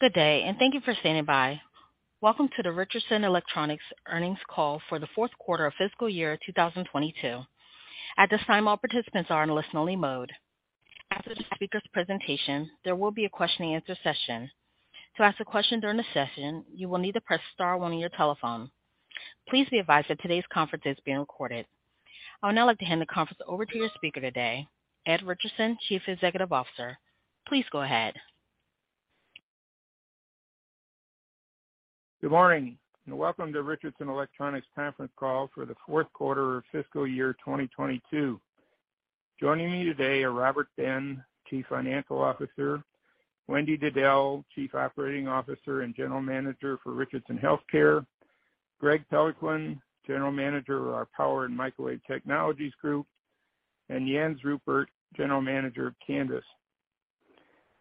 Good day, and thank you for standing by. Welcome to the Richardson Electronics Earnings Call for the Fourth Quarter of Fiscal Year 2022. At this time, all participants are in listen-only mode. After the speaker's presentation, there will be a question and answer session. To ask a question during the session, you will need to press star one on your telephone. Please be advised that today's conference is being recorded. I would now like to hand the conference over to your speaker today, Ed Richardson, Chief Executive Officer. Please go ahead. Good morning, and welcome to Richardson Electronics conference call for the fourth quarter of fiscal year 2022. Joining me today are Robert Ben, Chief Financial Officer, Wendy Diddell, Chief Operating Officer and General Manager for Richardson Healthcare, Greg Peloquin, General Manager of our Power & Microwave Technologies Group, and Jens Ruppert, General Manager of Canvys.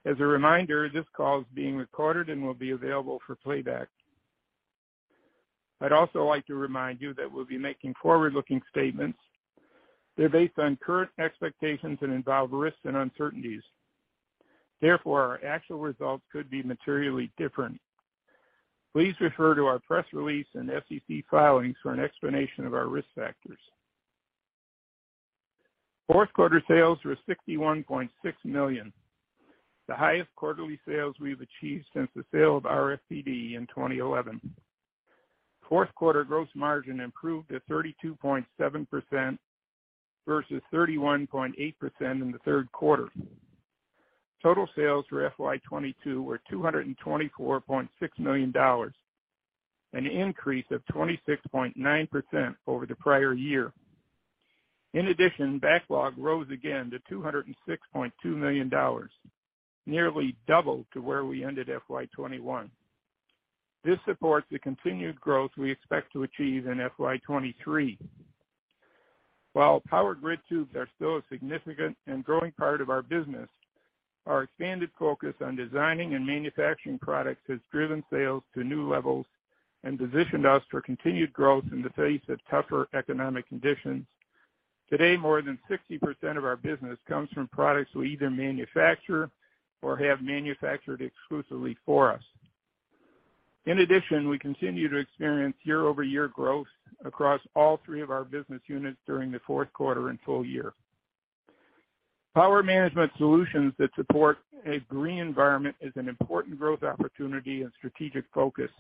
As a reminder, this call is being recorded and will be available for playback. I'd also like to remind you that we'll be making forward-looking statements. They're based on current expectations and involve risks and uncertainties. Therefore, our actual results could be materially different. Please refer to our press release and SEC filings for an explanation of our risk factors. Fourth quarter sales were $61.6 million, the highest quarterly sales we've achieved since the sale of RFPD in 2011. Fourth quarter gross margin improved to 32.7% versus 31.8% in the third quarter. Total sales for FY 2022 were $224.6 million, an increase of 26.9% over the prior year. In addition, backlog rose again to $206.2 million, nearly double to where we ended FY 2021. This supports the continued growth we expect to achieve in FY 2023. While power grid tubes are still a significant and growing part of our business, our expanded focus on designing and manufacturing products has driven sales to new levels and positioned us for continued growth in the face of tougher economic conditions. Today, more than 60% of our business comes from products we either manufacture or have manufactured exclusively for us. In addition, we continue to experience year-over-year growth across all three of our business units during the fourth quarter and full year. Power management solutions that support a green environment is an important growth opportunity and strategic focus.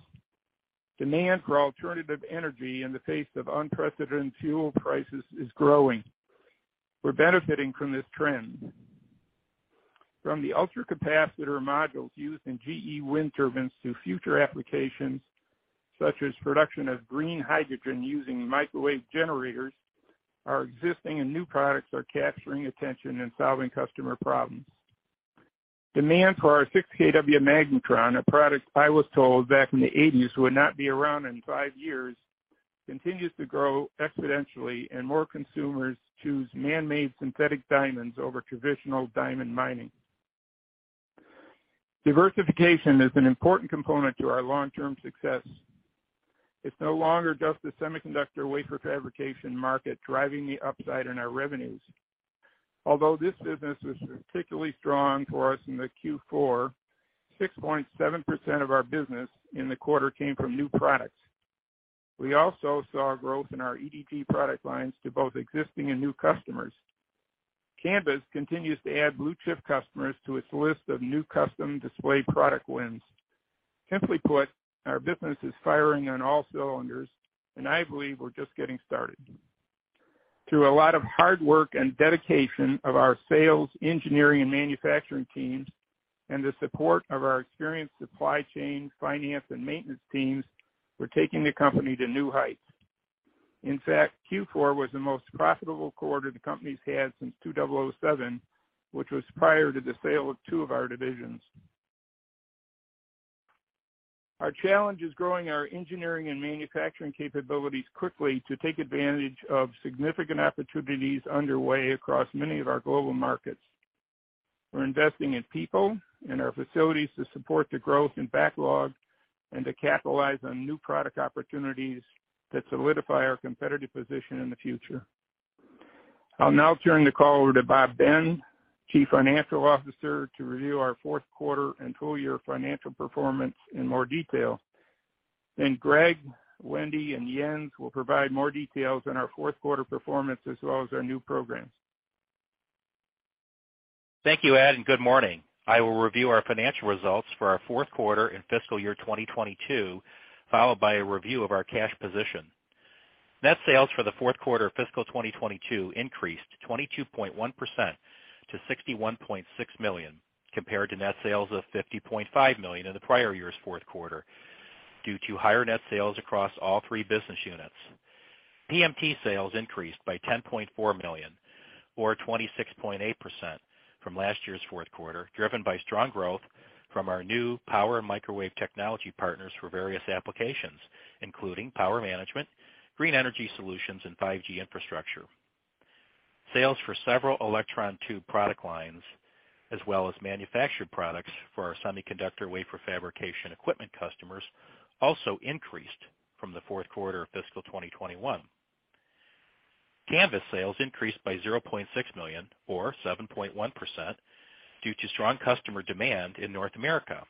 Demand for alternative energy in the face of unprecedented fuel prices is growing. We're benefiting from this trend. From the ultracapacitor modules used in GE wind turbines to future applications, such as production of green hydrogen using microwave generators, our existing and new products are capturing attention and solving customer problems. Demand for our 6 kW magnetron, a product I was told back in the eighties would not be around in five years, continues to grow exponentially, and more consumers choose man-made synthetic diamonds over traditional diamond mining. Diversification is an important component to our long-term success. It's no longer just the semiconductor wafer fabrication market driving the upside in our revenues. Although this business was particularly strong for us in the Q4, 6.7% of our business in the quarter came from new products. We also saw growth in our EDG product lines to both existing and new customers. Canvys continues to add blue-chip customers to its list of new custom display product wins. Simply put, our business is firing on all cylinders, and I believe we're just getting started. Through a lot of hard work and dedication of our sales, engineering, and manufacturing teams, and the support of our experienced supply chain, finance, and maintenance teams, we're taking the company to new heights. In fact, Q4 was the most profitable quarter the company's had since 2007, which was prior to the sale of two of our divisions. Our challenge is growing our engineering and manufacturing capabilities quickly to take advantage of significant opportunities underway across many of our global markets. We're investing in people, in our facilities to support the growth and backlog, and to capitalize on new product opportunities that solidify our competitive position in the future. I'll now turn the call over to Robert Ben, Chief Financial Officer, to review our fourth quarter and full year financial performance in more detail. Greg, Wendy, and Jens will provide more details on our fourth quarter performance as well as our new programs. Thank you, Ed, and good morning. I will review our financial results for our fourth quarter and fiscal year 2022, followed by a review of our cash position. Net sales for the fourth quarter of fiscal 2022 increased 22.1% to $61.6 million, compared to net sales of $50.5 million in the prior year's fourth quarter, due to higher net sales across all three business units. PMT sales increased by $10.4 million or 26.8% from last year's fourth quarter, driven by strong growth from our new power and microwave technology partners for various applications, including power management, Green Energy Solutions, and 5G infrastructure. Sales for several electron tube product lines, as well as manufactured products for our semiconductor wafer fabrication equipment customers, also increased from the fourth quarter of fiscal 2021. Canvys sales increased by $0.6 million or 7.1% due to strong customer demand in North America.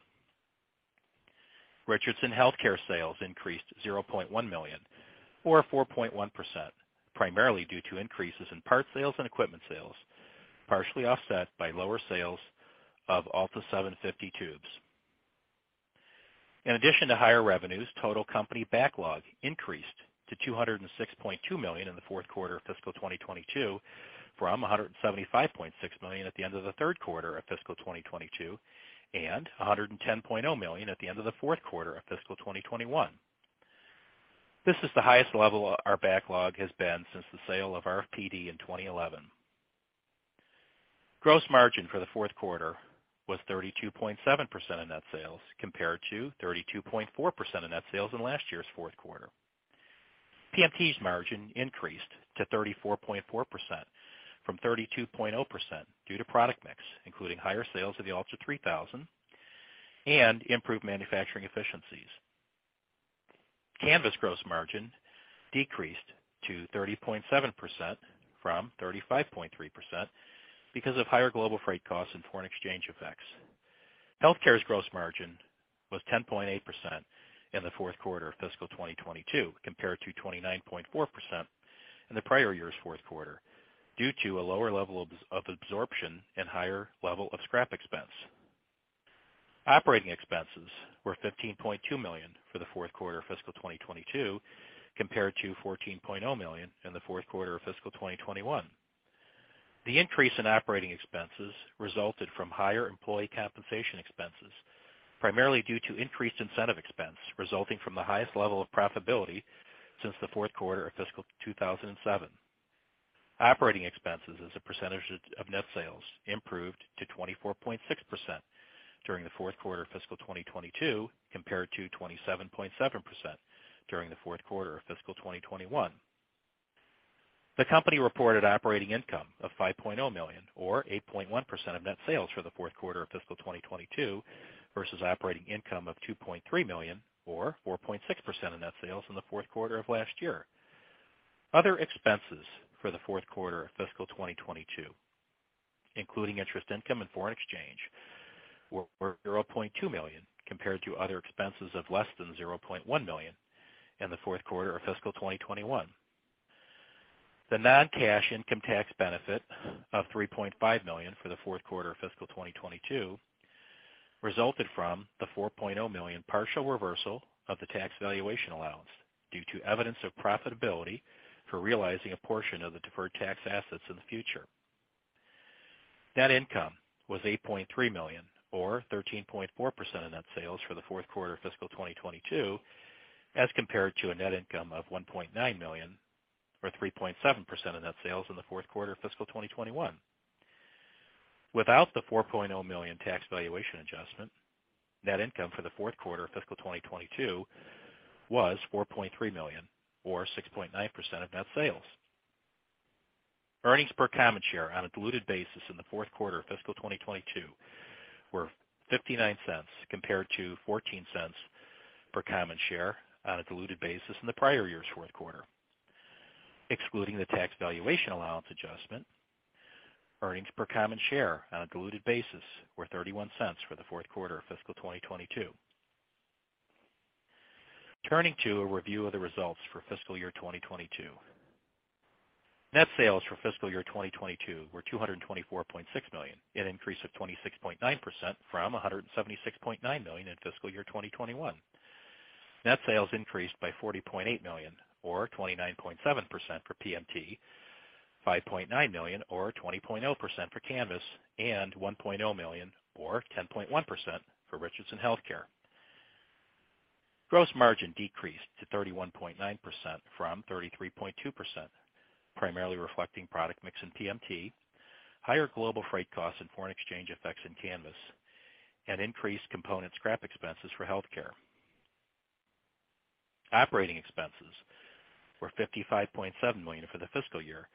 Richardson Healthcare sales increased $0.1 million or 4.1%, primarily due to increases in parts sales and equipment sales, partially offset by lower sales of ALTA750 tubes. In addition to higher revenues, total company backlog increased to $206.2 million in the fourth quarter of fiscal 2022 from $175.6 million at the end of the third quarter of fiscal 2022 and $110.0 million at the end of the fourth quarter of fiscal 2021. This is the highest level our backlog has been since the sale of RFPD in 2011. Gross margin for the fourth quarter was 32.7% of net sales compared to 32.4% of net sales in last year's fourth quarter. PMT's margin increased to 34.4% from 32.0% due to product mix, including higher sales of the ULTRA3000 and improved manufacturing efficiencies. Canvys gross margin decreased to 30.7% from 35.3% because of higher global freight costs and foreign exchange effects. Healthcare's gross margin was 10.8% in the fourth quarter of fiscal 2022 compared to 29.4% in the prior year's fourth quarter, due to a lower level of absorption and higher level of scrap expense. Operating expenses were $15.2 million for the fourth quarter of fiscal 2022 compared to $14.0 million in the fourth quarter of fiscal 2021. The increase in operating expenses resulted from higher employee compensation expenses, primarily due to increased incentive expense resulting from the highest level of profitability since the fourth quarter of fiscal 2007. Operating expenses as a percentage of net sales improved to 24.6% during the fourth quarter of fiscal 2022 compared to 27.7% during the fourth quarter of fiscal 2021. The company reported operating income of $5.0 million or 8.1% of net sales for the fourth quarter of fiscal 2022 versus operating income of $2.3 million or 4.6% of net sales in the fourth quarter of last year. Other expenses for the fourth quarter of fiscal 2022, including interest income and foreign exchange, were $0.2 million compared to other expenses of less than $0.1 million in the fourth quarter of fiscal 2021. The non-cash income tax benefit of $3.5 million for the fourth quarter of fiscal 2022 resulted from the $4.0 million partial reversal of the tax valuation allowance due to evidence of profitability for realizing a portion of the deferred tax assets in the future. Net income was $8.3 million or 13.4% of net sales for the fourth quarter of fiscal 2022 as compared to a net income of $1.9 million or 3.7% of net sales in the fourth quarter of fiscal 2021. Without the $4.0 million tax valuation allowance adjustment, net income for the fourth quarter of fiscal 2022 was $4.3 million or 6.9% of net sales. Earnings per common share on a diluted basis in the fourth quarter of fiscal 2022 were $0.59 compared to $0.14 per common share on a diluted basis in the prior year's fourth quarter. Excluding the tax valuation allowance adjustment, earnings per common share on a diluted basis were $0.31 for the fourth quarter of fiscal 2022. Turning to a review of the results for fiscal year 2022. Net sales for fiscal year 2022 were $224.6 million, an increase of 26.9% from $176.9 million in fiscal year 2021. Net sales increased by $40.8 million or 29.7% for PMT, $5.9 million or 20.0% for Canvys, and $1.0 million or 10.1% for Richardson Healthcare. Gross margin decreased to 31.9% from 33.2%, primarily reflecting product mix in PMT, higher global freight costs and foreign exchange effects in Canvys, and increased component scrap expenses for Healthcare. Operating expenses were $55.7 million for the fiscal year,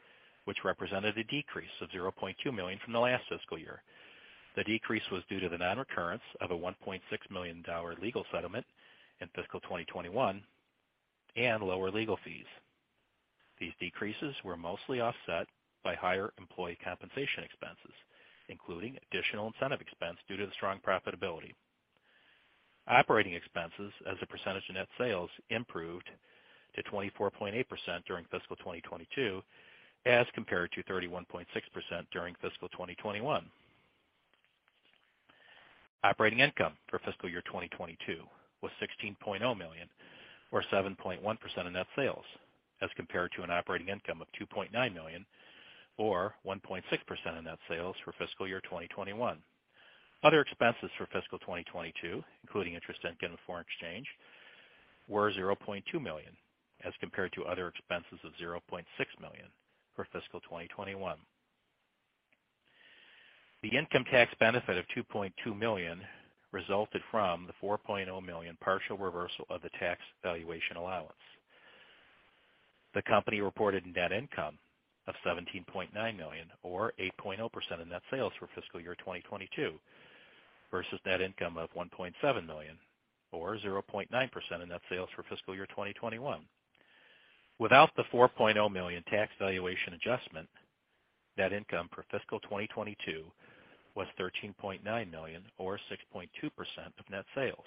which represented a decrease of $0.2 million from the last fiscal year. The decrease was due to the non-recurrence of a $1.6 million legal settlement in fiscal 2021 and lower legal fees. These decreases were mostly offset by higher employee compensation expenses, including additional incentive expense due to the strong profitability. Operating expenses as a percentage of net sales improved to 24.8% during fiscal 2022 as compared to 31.6% during fiscal 2021. Operating income for fiscal year 2022 was $16.0 million or 7.1% of net sales as compared to an operating income of $2.9 million or 1.6% of net sales for fiscal year 2021. Other expenses for fiscal 2022, including interest income and foreign exchange, were $0.2 million as compared to other expenses of $0.6 million for fiscal 2021. The income tax benefit of $2.2 million resulted from the $4.0 million partial reversal of the tax valuation allowance. The company reported net income of $17.9 million or 8.0% of net sales for fiscal year 2022. Versus net income of $1.7 million or 0.9% of net sales for fiscal year 2021. Without the $4.0 million tax valuation adjustment, net income for fiscal 2022 was $13.9 million or 6.2% of net sales.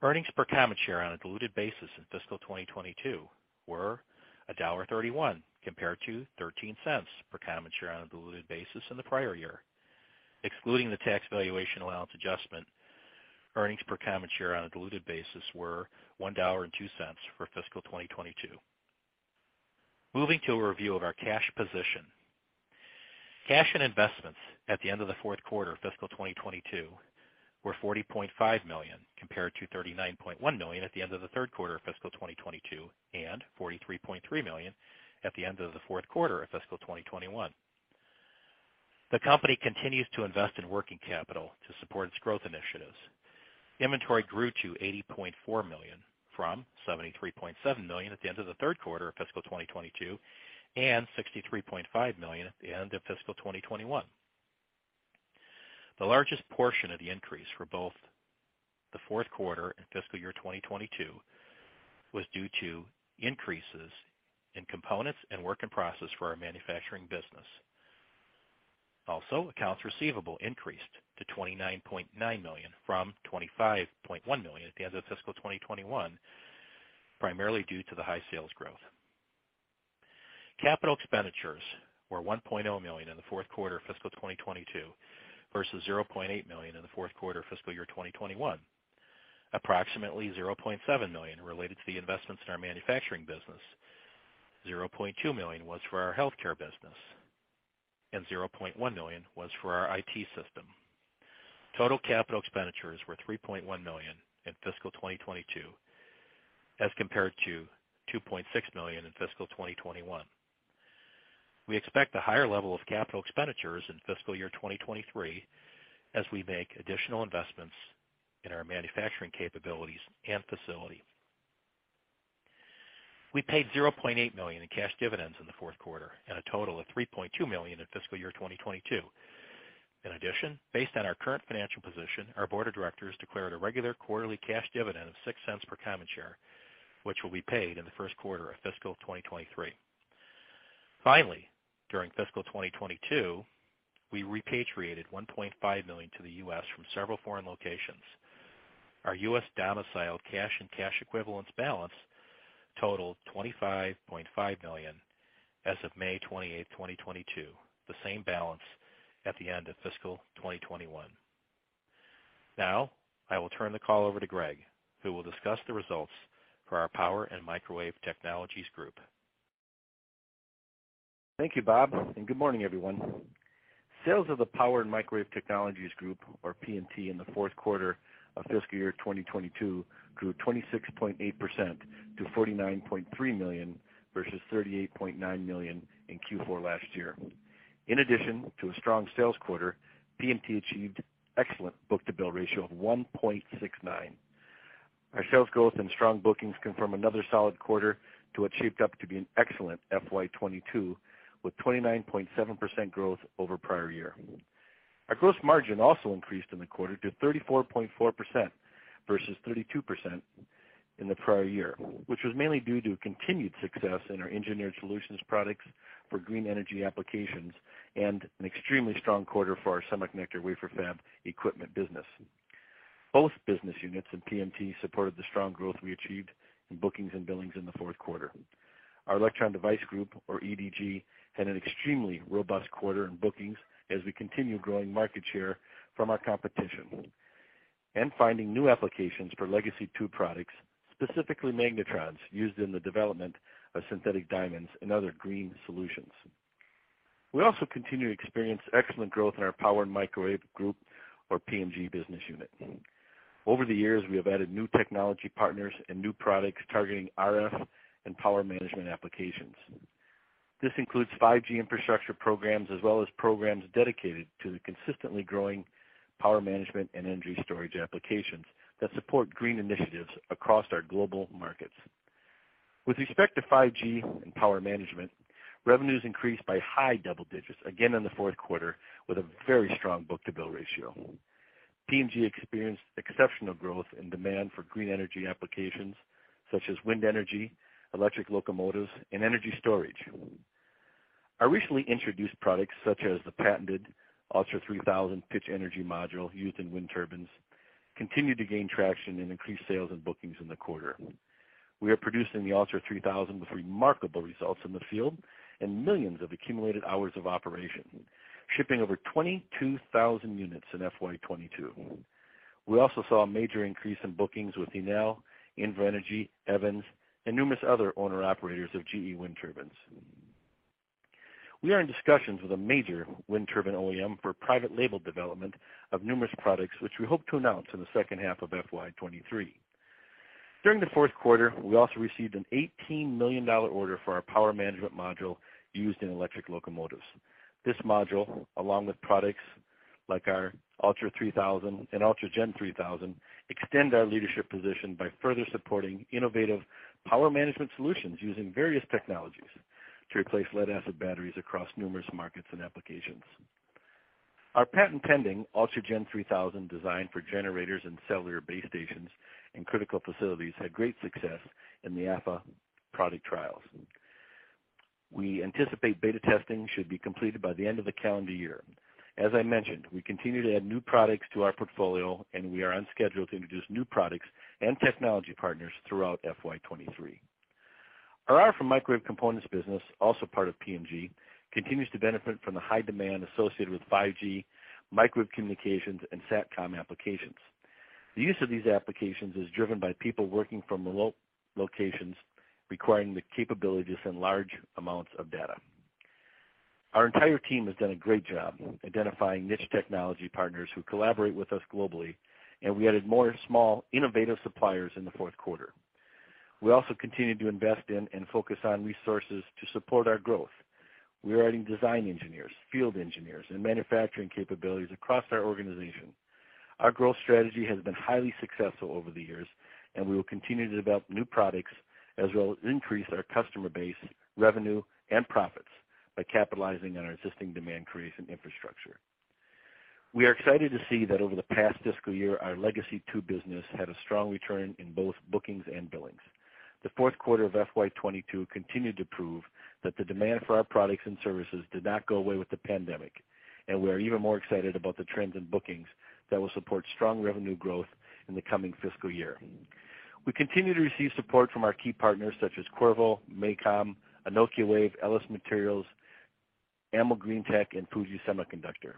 Earnings per common share on a diluted basis in fiscal 2022 were $1.31 compared to $0.13 per common share on a diluted basis in the prior year. Excluding the tax valuation allowance adjustment, earnings per common share on a diluted basis were $1.02 for fiscal 2022. Moving to a review of our cash position. Cash and investments at the end of the fourth quarter of fiscal 2022 were $40.5 million, compared to $39.1 million at the end of the third quarter of fiscal 2022, and $43.3 million at the end of the fourth quarter of fiscal 2021. The company continues to invest in working capital to support its growth initiatives. Inventory grew to $80.4 million from $73.7 million at the end of the third quarter of fiscal 2022 and $63.5 million at the end of fiscal 2021. The largest portion of the increase for both the fourth quarter and fiscal year 2022 was due to increases in components and work in process for our manufacturing business. Also, accounts receivable increased to $29.9 million from $25.1 million at the end of fiscal 2021, primarily due to the high sales growth. Capital expenditures were $1.0 million in the fourth quarter of fiscal 2022 versus $0.8 million in the fourth quarter of fiscal year 2021. Approximately $0.7 million related to the investments in our manufacturing business. $0.2 million was for our healthcare business, and $0.1 million was for our IT system. Total capital expenditures were $3.1 million in fiscal 2022 as compared to $2.6 million in fiscal 2021. We expect a higher level of capital expenditures in fiscal year 2023 as we make additional investments in our manufacturing capabilities and facility. We paid $0.8 million in cash dividends in the fourth quarter and a total of $3.2 million in fiscal year 2022. In addition, based on our current financial position, our board of directors declared a regular quarterly cash dividend of $0.06 per common share, which will be paid in the first quarter of fiscal 2023. Finally, during fiscal 2022, we repatriated $1.5 million to the U.S. from several foreign locations. Our U.S. domiciled cash and cash equivalents balance totaled $25.5 million as of May 28, 2022, the same balance at the end of fiscal 2021. Now I will turn the call over to Greg, who will discuss the results for our Power & Microwave Technologies group. Thank you, Bob, and good morning, everyone. Sales of the Power & Microwave Technologies group, or PMT, in the fourth quarter of fiscal year 2022 grew 26.8% to $49.3 million, versus $38.9 million in Q4 last year. In addition to a strong sales quarter, PMT achieved excellent book-to-bill ratio of 1.69. Our sales growth and strong bookings confirm another solid quarter for what shaped up to be an excellent FY 2022, with 29.7% growth over prior year. Our gross margin also increased in the quarter to 34.4% versus 32% in the prior year, which was mainly due to continued success in our engineered solutions products for Green Energy applications and an extremely strong quarter for our semiconductor wafer fab equipment business. Both business units in PMT supported the strong growth we achieved in bookings and billings in the fourth quarter. Our Electron Device Group, or EDG, had an extremely robust quarter in bookings as we continue growing market share from our competition and finding new applications for Legacy Two products, specifically magnetrons used in the development of synthetic diamonds and other green solutions. We also continue to experience excellent growth in our Power and Microwave Group, or PMG, business unit. Over the years, we have added new technology partners and new products targeting RF and power management applications. This includes 5G infrastructure programs as well as programs dedicated to the consistently growing power management and energy storage applications that support green initiatives across our global markets. With respect to 5G and power management, revenues increased by high double digits again in the fourth quarter with a very strong book-to-bill ratio. PMG experienced exceptional growth in demand for Green Energy applications such as wind energy, electric locomotives, and energy storage. Our recently introduced products, such as the patented Ultra three thousand Pitch Energy Module used in wind turbines, continued to gain traction and increase sales and bookings in the quarter. We are producing the Ultra three thousand with remarkable results in the field and millions of accumulated hours of operation, shipping over 22,000 units in FY 2022. We also saw a major increase in bookings with Enel, Invenergy, Avangrid, and numerous other owner-operators of GE wind turbines. We are in discussions with a major wind turbine OEM for private label development of numerous products, which we hope to announce in the second half of FY 2023. During the fourth quarter, we also received an $18 million order for our power management module used in electric locomotives. This module, along with products like our ULTRA3000 and ULTRAGEN3000, extends our leadership position by further supporting innovative power management solutions using various technologies. To replace lead acid batteries across numerous markets and applications. Our patent pending ULTRAGEN3000 designed for generators and cellular base stations in critical facilities had great success in the AFHA product trials. We anticipate beta testing should be completed by the end of the calendar year. As I mentioned, we continue to add new products to our portfolio, and we are on schedule to introduce new products and technology partners throughout FY 2023. Our RF microwave components business, also part of PMG, continues to benefit from the high demand associated with 5G microwave communications and Satcom applications. The use of these applications is driven by people working from remote locations requiring the capability to send large amounts of data. Our entire team has done a great job identifying niche technology partners who collaborate with us globally, and we added more small, innovative suppliers in the fourth quarter. We also continued to invest in and focus on resources to support our growth. We are adding design engineers, field engineers, and manufacturing capabilities across our organization. Our growth strategy has been highly successful over the years, and we will continue to develop new products as well as increase our customer base, revenue and profits by capitalizing on our existing demand creation infrastructure. We are excited to see that over the past fiscal year, our legacy tube business had a strong return in both bookings and billings. The fourth quarter of FY 22 continued to prove that the demand for our products and services did not go away with the pandemic. We are even more excited about the trends in bookings that will support strong revenue growth in the coming fiscal year. We continue to receive support from our key partners, such as Qorvo, MACOM, Anokiwave, Ellis Materials, Amogreentech, and Fuji Electric.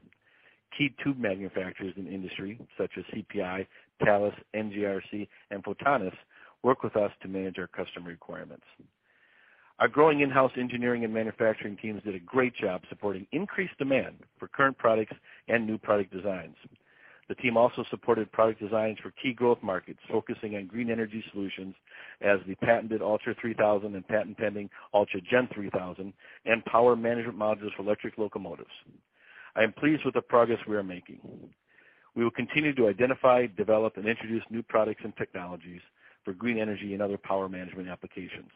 Key tube manufacturers in the industry, such as CPI, Thales, NJRC, and Photonis work with us to manage our customer requirements. Our growing in-house engineering and manufacturing teams did a great job supporting increased demand for current products and new product designs. The team also supported product designs for key growth markets, focusing on Green Energy Solutions as the patented ULTRA3000 and patent pending ULTRAGEN3000 and power management modules for electric locomotives. I am pleased with the progress we are making. We will continue to identify, develop, and introduce new products and technologies for Green Energy and other power management applications.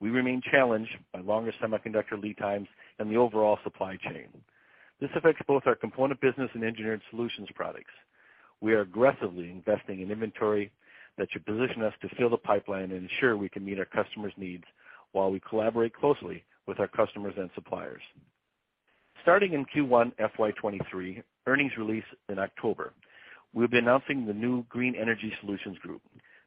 We remain challenged by longer semiconductor lead times and the overall supply chain. This affects both our component business and engineered solutions products. We are aggressively investing in inventory that should position us to fill the pipeline and ensure we can meet our customers' needs while we collaborate closely with our customers and suppliers. Starting in Q1 FY 2023, earnings release in October, we'll be announcing the new Green Energy Solutions Group.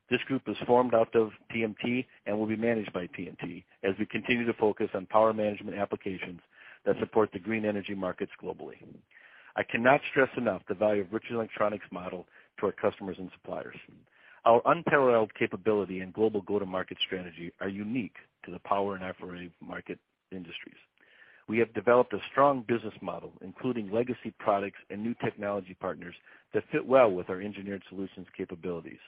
This group is formed out of PMT and will be managed by PMT as we continue to focus on power management applications that support the Green Energy markets globally. I cannot stress enough the value of Richardson Electronics model to our customers and suppliers. Our unparalleled capability and global go-to-market strategy are unique to the power and RF array market industries. We have developed a strong business model, including legacy products and new technology partners that fit well with our engineered solutions capabilities.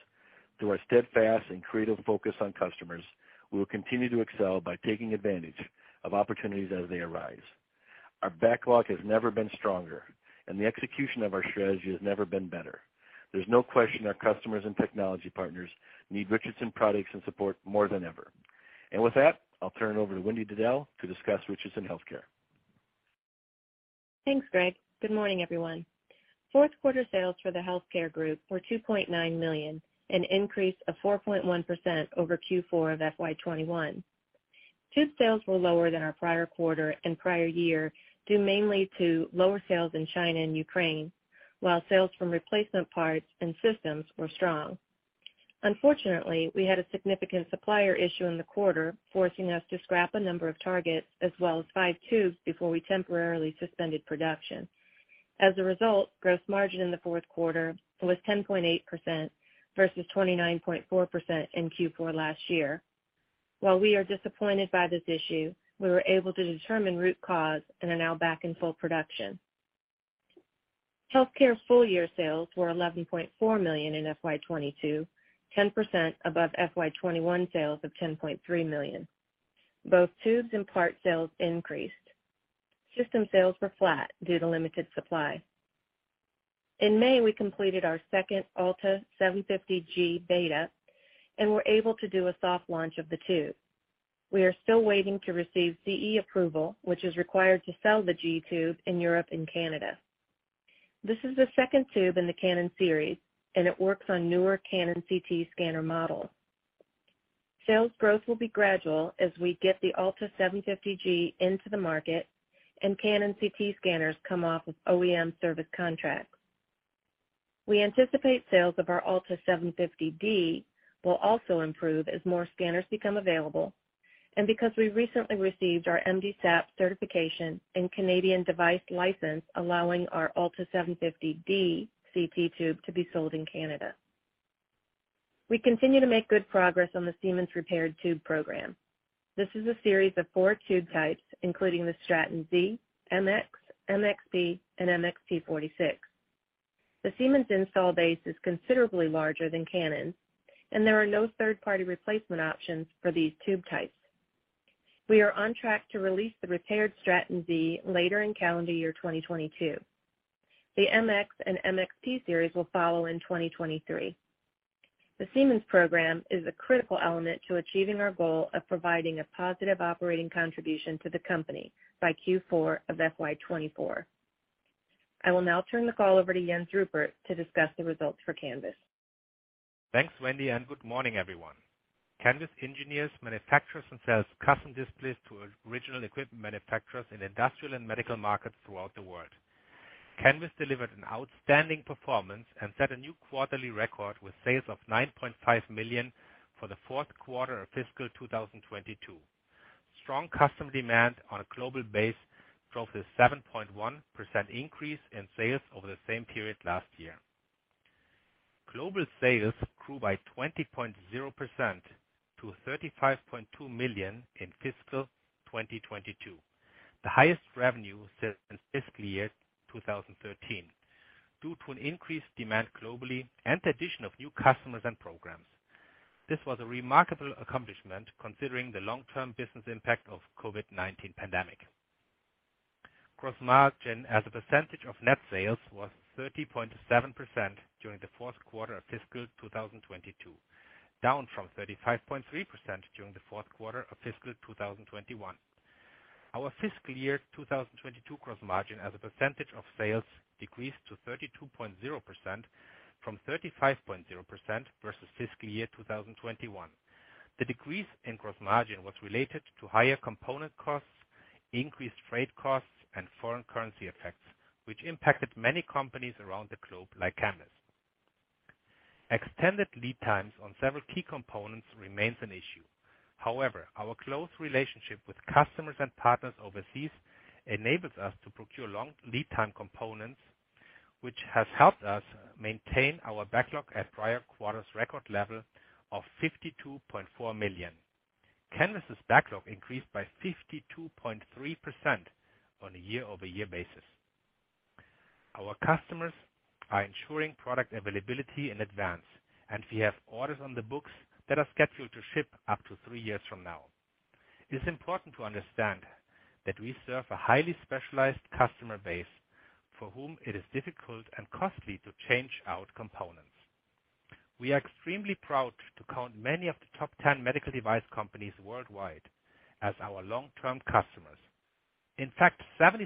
Through our steadfast and creative focus on customers, we will continue to excel by taking advantage of opportunities as they arise. Our backlog has never been stronger, and the execution of our strategy has never been better. There's no question our customers and technology partners need Richardson products and support more than ever. With that, I'll turn it over to Wendy Diddell to discuss Richardson Healthcare. Thanks, Greg. Good morning, everyone. Fourth quarter sales for the healthcare group were $2.9 million, an increase of 4.1% over Q4 of FY 2021. Tube sales were lower than our prior quarter and prior year, due mainly to lower sales in China and Ukraine, while sales from replacement parts and systems were strong. Unfortunately, we had a significant supplier issue in the quarter, forcing us to scrap a number of targets as well as 5 tubes before we temporarily suspended production. As a result, gross margin in the fourth quarter was 10.8% versus 29.4% in Q4 last year. While we are disappointed by this issue, we were able to determine root cause and are now back in full production. Healthcare full year sales were $11.4 million in FY 2022, 10% above FY 2021 sales of $10.3 million. Both tubes and parts sales increased. System sales were flat due to limited supply. In May, we completed our second ALTA750 G beta, and we're able to do a soft launch of the tube. We are still waiting to receive CE approval, which is required to sell the G tube in Europe and Canada. This is the second tube in the Canon series, and it works on newer Canon CT scanner models. Sales growth will be gradual as we get the ALTA750 G into the market and Canon CT scanners come off of OEM service contracts. We anticipate sales of our ALTA750 D will also improve as more scanners become available, and because we recently received our MDSAP certification and Canadian device license, allowing our ALTA750 D CT tube to be sold in Canada. We continue to make good progress on the Siemens repaired tube program. This is a series of four tube types, including the Straton Z, MX, MXP, and MXP 46. The Siemens install base is considerably larger than Canon's, and there are no third-party replacement options for these tube types. We are on track to release the repaired Straton Z later in calendar year 2022. The MX and MXP series will follow in 2023. The Siemens program is a critical element to achieving our goal of providing a positive operating contribution to the company by Q4 of FY 2024. I will now turn the call over to Jens Ruppert to discuss the results for Canvys. Thanks, Wendy, and good morning, everyone. Canvys engineers, manufactures, and sells custom displays to original equipment manufacturers in industrial and medical markets throughout the world. Canvys delivered an outstanding performance and set a new quarterly record with sales of $9.5 million for the fourth quarter of fiscal 2022. Strong customer demand on a global base drove a 7.1% increase in sales over the same period last year. Global sales grew by 20.0% to $35.2 million in fiscal 2022, the highest revenue since fiscal year 2013, due to an increased demand globally and the addition of new customers and programs. This was a remarkable accomplishment considering the long-term business impact of COVID-19 pandemic. Gross margin as a percentage of net sales was 30.7% during the fourth quarter of fiscal 2022, down from 35.3% during the fourth quarter of fiscal 2021. Our fiscal year 2022 gross margin as a percentage of sales decreased to 32.0% from 35.0% versus fiscal year 2021. The decrease in gross margin was related to higher component costs, increased freight costs, and foreign currency effects, which impacted many companies around the globe, like Canvys. Extended lead times on several key components remains an issue. However, our close relationship with customers and partners overseas enables us to procure long lead time components, which has helped us maintain our backlog at prior quarter's record level of $52.4 million. Canvys's backlog increased by 52.3% on a year-over-year basis. Our customers are ensuring product availability in advance, and we have orders on the books that are scheduled to ship up to three years from now. It's important to understand that we serve a highly specialized customer base for whom it is difficult and costly to change out components. We are extremely proud to count many of the top 10 medical device companies worldwide as our long-term customers. In fact, 76%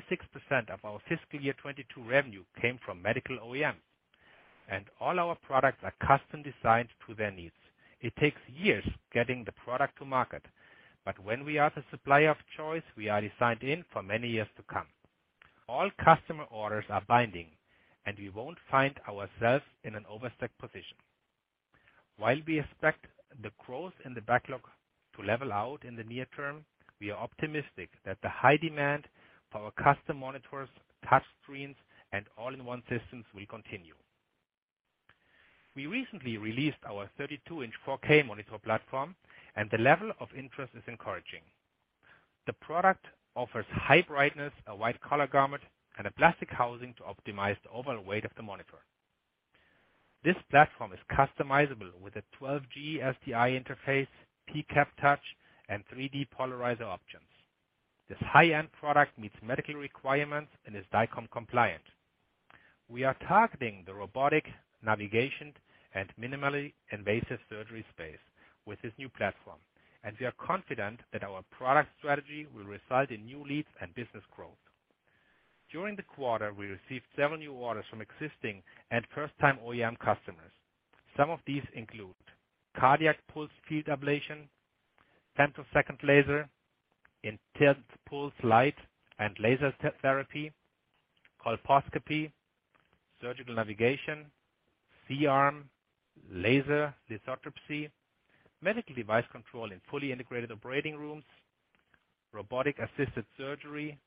of our fiscal year 2022 revenue came from medical OEM, and all our products are custom-designed to their needs. It takes years getting the product to market, but when we are the supplier of choice, we are designed in for many years to come. All customer orders are binding, and we won't find ourselves in an overstock position. While we expect the growth in the backlog to level out in the near term, we are optimistic that the high demand for our custom monitors, touchscreens, and all-in-one systems will continue. We recently released our 32-inch 4K monitor platform and the level of interest is encouraging. The product offers high brightness, a wide color gamut, and a plastic housing to optimize the overall weight of the monitor. This platform is customizable with a 12G-SDI interface, PCAP touch, and 3D polarizer options. This high-end product meets medical requirements and is DICOM compliant. We are targeting the robotic navigation and minimally invasive surgery space with this new platform, and we are confident that our product strategy will result in new leads and business growth. During the quarter, we received several new orders from existing and first-time OEM customers. Some of these include cardiac pulse field ablation, femtosecond laser, intense pulsed light and laser therapy, colposcopy, surgical navigation, C-arm, laser lithotripsy, medical device control in fully integrated operating rooms, robotic-assisted surgery,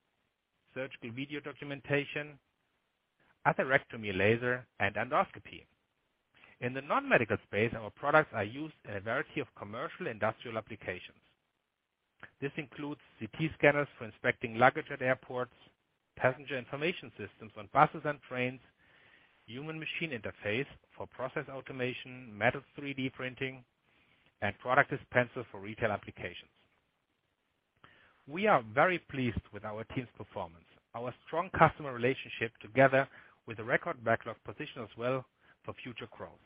surgical video documentation, atherectomy laser, and endoscopy. In the non-medical space, our products are used in a variety of commercial industrial applications. This includes CT scanners for inspecting luggage at airports, passenger information systems on buses and trains, human machine interface for process automation, metal 3D printing, and product dispenser for retail applications. We are very pleased with our team's performance. Our strong customer relationship, together with the record backlog position as well for future growth.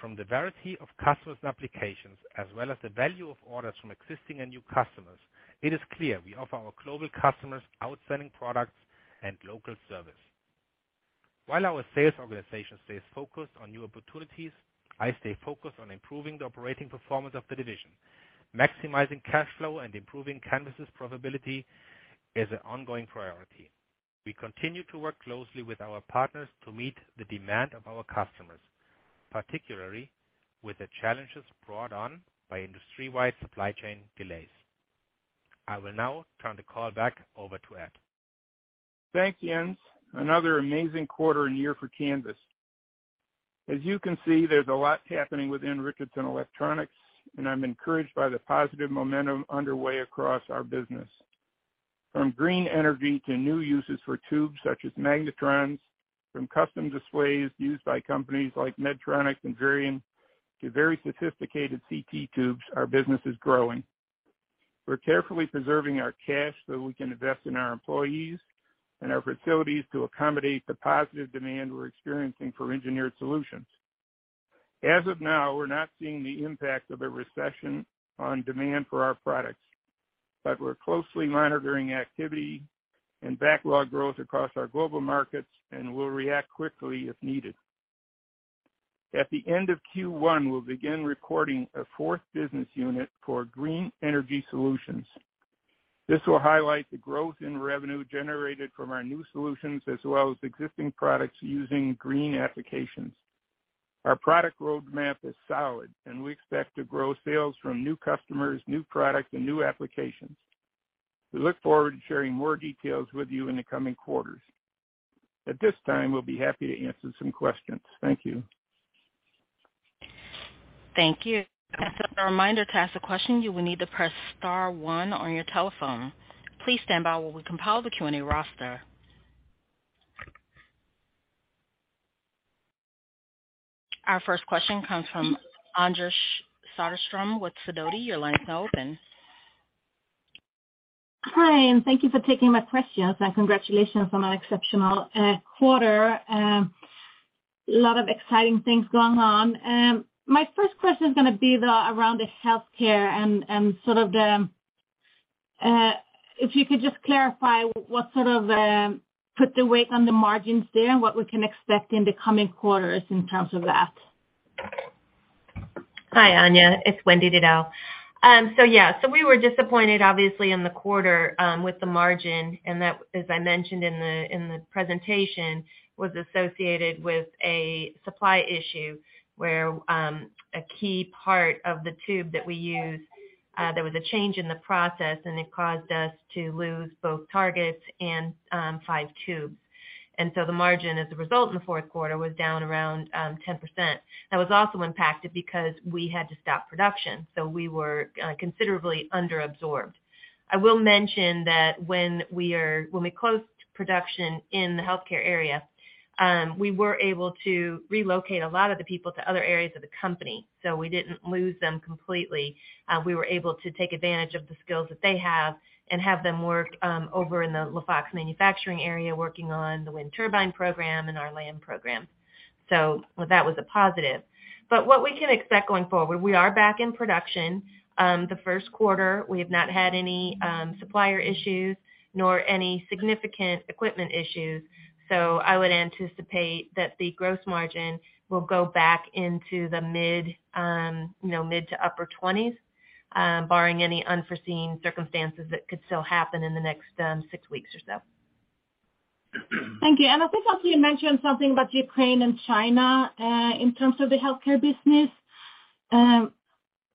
From the variety of customers and applications, as well as the value of orders from existing and new customers, it is clear we offer our global customers outstanding products and local service. While our sales organization stays focused on new opportunities, I stay focused on improving the operating performance of the division. Maximizing cash flow and improving Canvys's profitability is an ongoing priority. We continue to work closely with our partners to meet the demand of our customers, particularly with the challenges brought on by industry-wide supply chain delays. I will now turn the call back over to Ed. Thank you, Jens. Another amazing quarter and year for Canvys. As you can see, there's a lot happening within Richardson Electronics, and I'm encouraged by the positive momentum underway across our business. From Green Energy to new uses for tubes such as magnetrons, from custom displays used by companies like Medtronic and Varian, to very sophisticated CT tubes, our business is growing. We're carefully preserving our cash so we can invest in our employees and our facilities to accommodate the positive demand we're experiencing for engineered solutions. As of now, we're not seeing the impact of a recession on demand for our products, but we're closely monitoring activity and backlog growth across our global markets, and we'll react quickly if needed. At the end of Q1, we'll begin recording a fourth business unit for Green Energy Solutions. This will highlight the growth in revenue generated from our new solutions, as well as existing products using green applications. Our product roadmap is solid, and we expect to grow sales from new customers, new products, and new applications. We look forward to sharing more details with you in the coming quarters. At this time, we'll be happy to answer some questions. Thank you. Thank you. As a reminder to ask a question, you will need to press star one on your telephone. Please stand by while we compile the Q&A roster. Our first question comes from Anja Soderstrom with Sidoti. Your line is now open. Hi. Thank you for taking my questions, and congratulations on an exceptional quarter. A lot of exciting things going on. My first question is gonna be around the Healthcare and sort of the, if you could just clarify what sort of put the weight on the margins there and what we can expect in the coming quarters in terms of that. Hi, Anja, it's Wendy Diddell. Yeah. We were disappointed obviously in the quarter with the margin, and that, as I mentioned in the presentation, was associated with a supply issue where a key part of the tube that we use, there was a change in the process, and it caused us to lose both targets and 5 tubes. The margin as a result in the fourth quarter was down around 10%. That was also impacted because we had to stop production, so we were considerably under-absorbed. I will mention that when we closed production in the healthcare area, we were able to relocate a lot of the people to other areas of the company, so we didn't lose them completely. We were able to take advantage of the skills that they have and have them work over in the La Fox manufacturing area working on the wind turbine program and our LAN program. That was a positive. What we can expect going forward, we are back in production. The first quarter, we have not had any supplier issues nor any significant equipment issues, so I would anticipate that the gross margin will go back into the mid you know mid-to-upper 20s%, barring any unforeseen circumstances that could still happen in the next six weeks or so. Thank you. I think also you mentioned something about Ukraine and China, in terms of the healthcare business.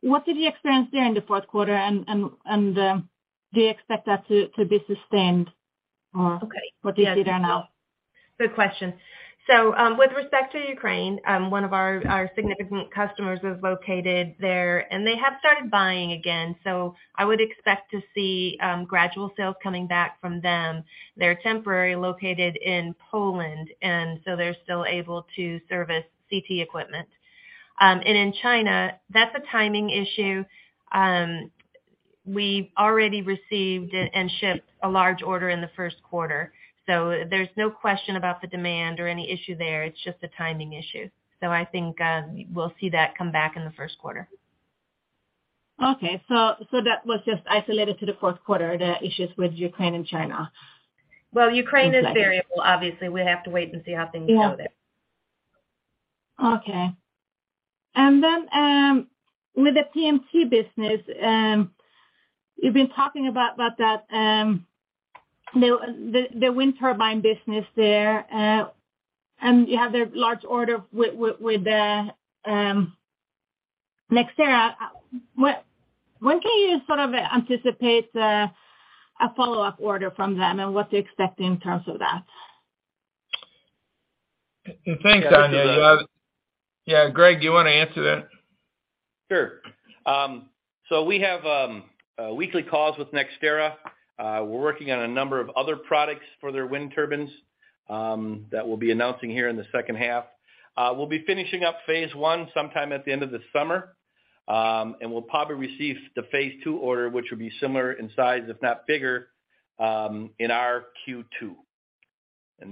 What did you experience there in the fourth quarter, and do you expect that to be sustained or? Okay. What do you see there now? Good question. With respect to Ukraine, one of our significant customers is located there, and they have started buying again. I would expect to see gradual sales coming back from them. They're temporarily located in Poland, and so they're still able to service CT equipment. In China, that's a timing issue. We've already received and shipped a large order in the first quarter. There's no question about the demand or any issue there. It's just a timing issue. I think we'll see that come back in the first quarter. That was just isolated to the fourth quarter, the issues with Ukraine and China? Well, Ukraine is variable. Obviously, we have to wait and see how things go there. Okay. With the PMT business, you've been talking about that, the wind turbine business there, and you have the large order with the NextEra. When can you sort of anticipate a follow-up order from them and what to expect in terms of that? Thanks, Anja. Yeah, Greg, you wanna answer that? Sure. We have weekly calls with NextEra. We're working on a number of other products for their wind turbines that we'll be announcing here in the second half. We'll be finishing up phase one sometime at the end of the summer. We'll probably receive the phase two order, which will be similar in size, if not bigger, in our Q2.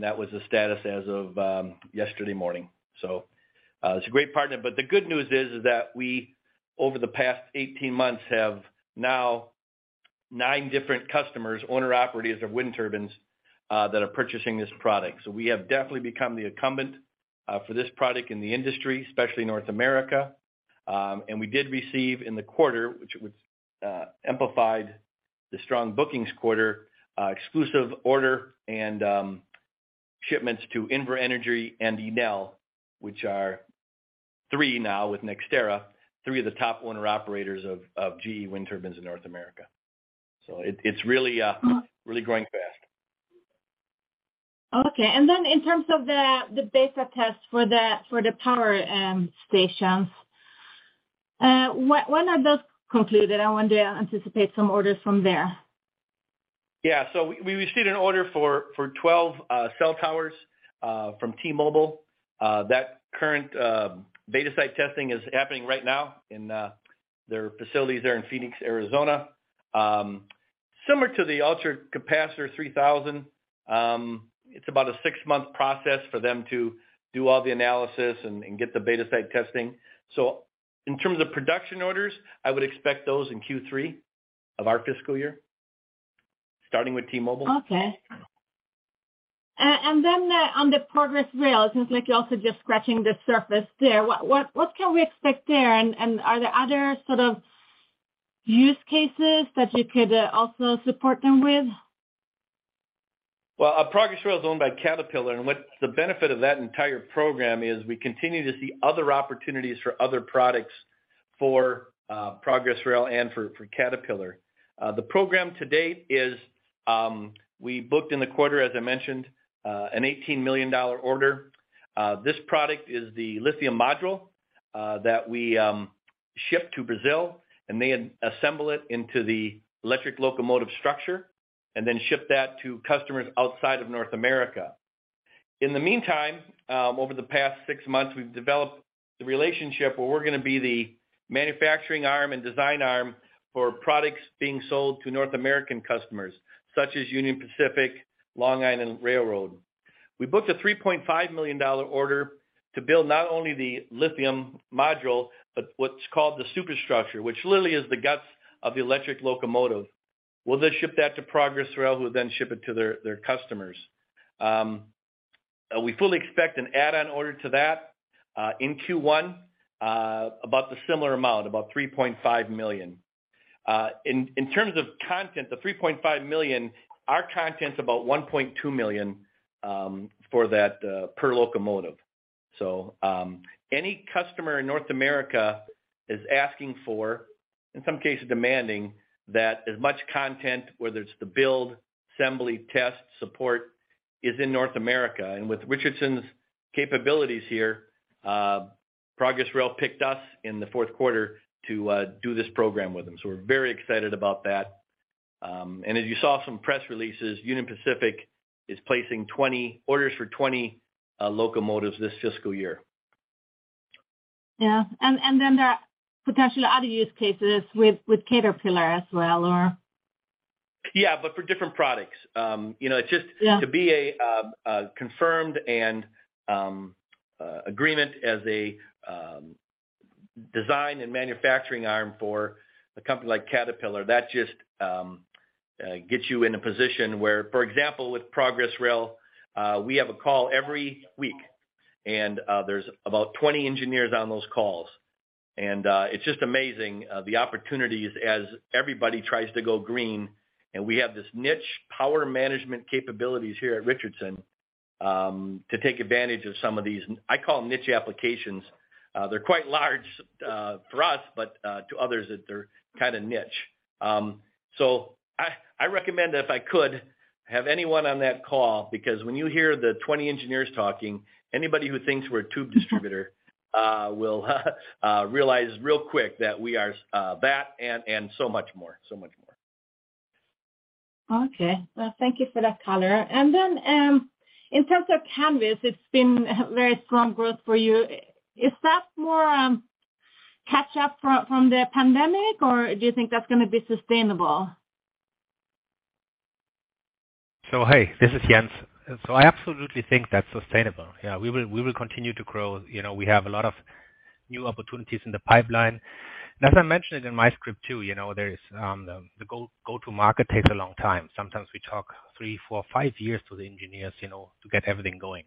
That was the status as of yesterday morning. It's a great partner. The good news is that we, over the past 18 months, have now 9 different customers, owner operators of wind turbines that are purchasing this product. We have definitely become the incumbent for this product in the industry, especially North America. We did receive in the quarter, which was amplified the strong bookings quarter, exclusive order and shipments to Invenergy and Enel, which are three now with NextEra, three of the top owner operators of GE wind turbines in North America. It's really growing fast. Okay. In terms of the beta test for the power stations, when are those concluded? I want to anticipate some orders from there. Yeah. We received an order for 12 cell towers from T-Mobile. The current beta site testing is happening right now in their facilities there in Phoenix, Arizona. Similar to the ULTRA3000, it's about a 6-month process for them to do all the analysis and get the beta site testing. In terms of production orders, I would expect those in Q3 of our fiscal year, starting with T-Mobile. Okay. On the Progress Rail, it seems like you're also just scratching the surface there. What can we expect there? Are there other sort of use cases that you could also support them with? Well, Progress Rail is owned by Caterpillar, and what the benefit of that entire program is, we continue to see other opportunities for other products for Progress Rail and for Caterpillar. The program to date is, we booked in the quarter, as I mentioned, an $18 million order. This product is the lithium module that we ship to Brazil, and they assemble it into the electric locomotive structure and then ship that to customers outside of North America. In the meantime, over the past six months, we've developed the relationship where we're gonna be the manufacturing arm and design arm for products being sold to North American customers, such as Union Pacific, Long Island Rail Road. We booked a $3.5 million order to build not only the lithium module but what's called the superstructure, which literally is the guts of the electric locomotive. We'll then ship that to Progress Rail, who will then ship it to their customers. We fully expect an add-on order to that in Q1 about a similar amount, about $3.5 million. In terms of content, the $3.5 million, our content's about $1.2 million for that per locomotive. Any customer in North America is asking for, in some cases demanding, that as much content, whether it's the build, assembly, test, support, is in North America. With Richardson's capabilities here, Progress Rail picked us in the fourth quarter to do this program with them. We're very excited about that. As you saw some press releases, Union Pacific is placing 20 orders for 20 locomotives this fiscal year. Yeah. Then there are potentially other use cases with Caterpillar as well, or? Yeah, for different products. You know, it's just. Yeah. To be a confirmed agreement as a design and manufacturing arm for a company like Caterpillar, that just gets you in a position where, for example, with Progress Rail, we have a call every week, and there's about 20 engineers on those calls. It's just amazing, the opportunities as everybody tries to go green, and we have this niche power management capabilities here at Richardson, to take advantage of some of these, I call them niche applications. They're quite large for us, but to others that they're kinda niche. I recommend, if I could, have anyone on that call, because when you hear the 20 engineers talking, anybody who thinks we're a tube distributor will realize real quick that we are that and so much more. Okay. Well, thank you for that color. Then, in terms of Canvys, it's been very strong growth for you. Is that more catch up from the pandemic, or do you think that's gonna be sustainable? Hey, this is Jens. I absolutely think that's sustainable. Yeah, we will continue to grow. You know, we have a lot of new opportunities in the pipeline. As I mentioned in my script too, you know, there is the go-to market takes a long time. Sometimes we talk 3, 4, 5 years to the engineers, you know, to get everything going.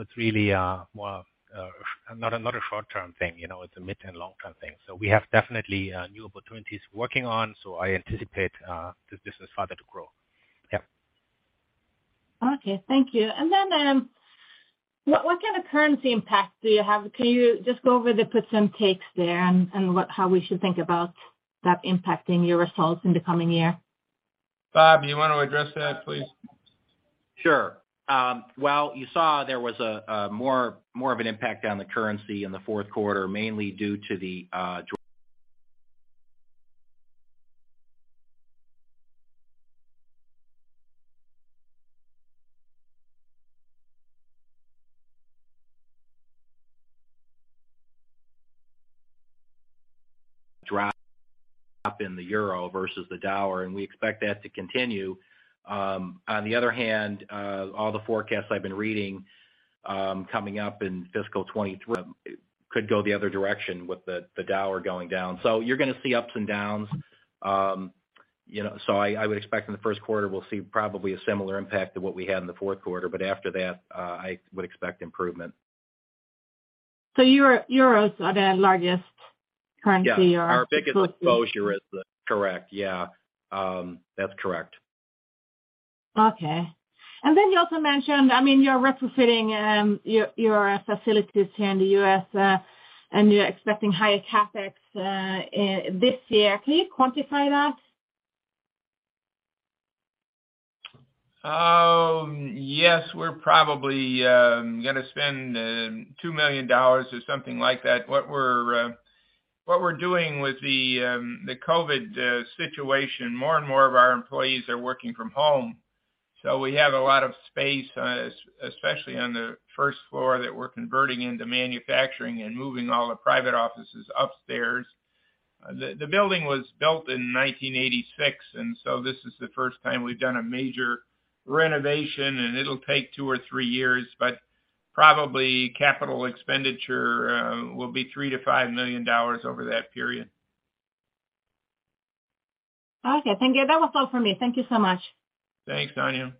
It's really more not another short-term thing, you know, it's a mid- and long-term thing. We have definitely new opportunities working on, so I anticipate this business further to grow. Yeah. Okay, thank you. Then, what kind of currency impact do you have? Can you just go over the puts and takes there and how we should think about that impacting your results in the coming year? Bob, you wanna address that, please? Sure. Well, you saw there was more of an impact on the currency in the fourth quarter, mainly due to the drop in the euro versus the US dollar, and we expect that to continue. On the other hand, all the forecasts I've been reading, coming up in fiscal 2023 could go the other direction with the dollar going down. You're gonna see ups and downs, you know. I would expect in the first quarter we'll see probably a similar impact to what we had in the fourth quarter, but after that, I would expect improvement. Euros are the largest currency you are exposed to. Yeah. Correct. Yeah. That's correct. Okay. Then you also mentioned, I mean, you're retrofitting your facilities here in the US, and you're expecting higher CapEx this year. Can you quantify that? Yes, we're probably gonna spend $2 million or something like that. What we're doing with the COVID situation, more and more of our employees are working from home. We have a lot of space, especially on the first floor that we're converting into manufacturing and moving all the private offices upstairs. The building was built in 1986. This is the first time we've done a major renovation, and it'll take 2 or 3 years, but probably capital expenditure will be $3-$5 million over that period. Okay. Thank you. That was all for me. Thank you so much. Thanks, Anja.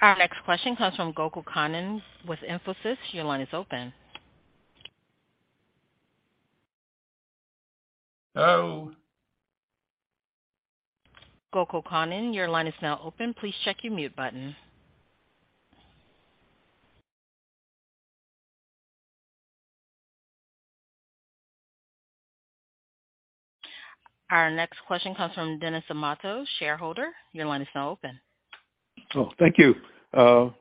Our next question comes from Gokul Kannan with Infosys. Your line is open. Hello. Gokul Kannan, your line is now open. Please check your mute button. Our next question comes from Denis Amato, shareholder. Your line is now open. Oh, thank you.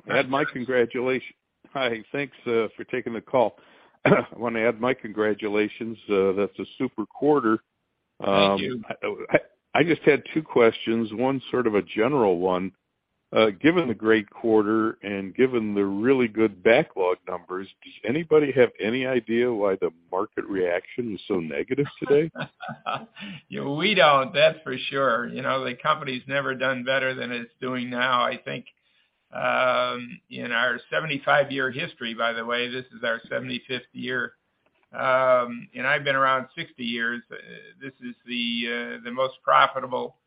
Add my congratulations. Hi. Thanks for taking the call. I want to add my congratulations. That's a super quarter. Thank you. I just had two questions, one sort of a general one. Given the great quarter and given the really good backlog numbers, does anybody have any idea why the market reaction was so negative today? Yeah, we don't, that's for sure. You know, the company's never done better than it's doing now. I think, in our 75-year history, by the way, this is our 75th year. I've been around 60 years. This is the most profitable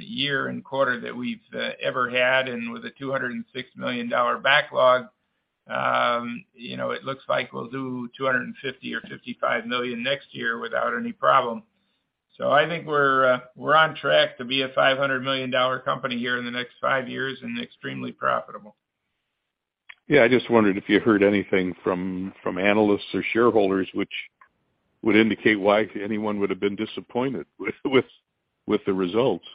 year and quarter that we've ever had. With a $206 million backlog, you know, it looks like we'll do $250 or $255 million next year without any problem. I think we're on track to be a $500 million company here in the next 5 years and extremely profitable. Yeah. I just wondered if you heard anything from analysts or shareholders which would indicate why anyone would have been disappointed with the results.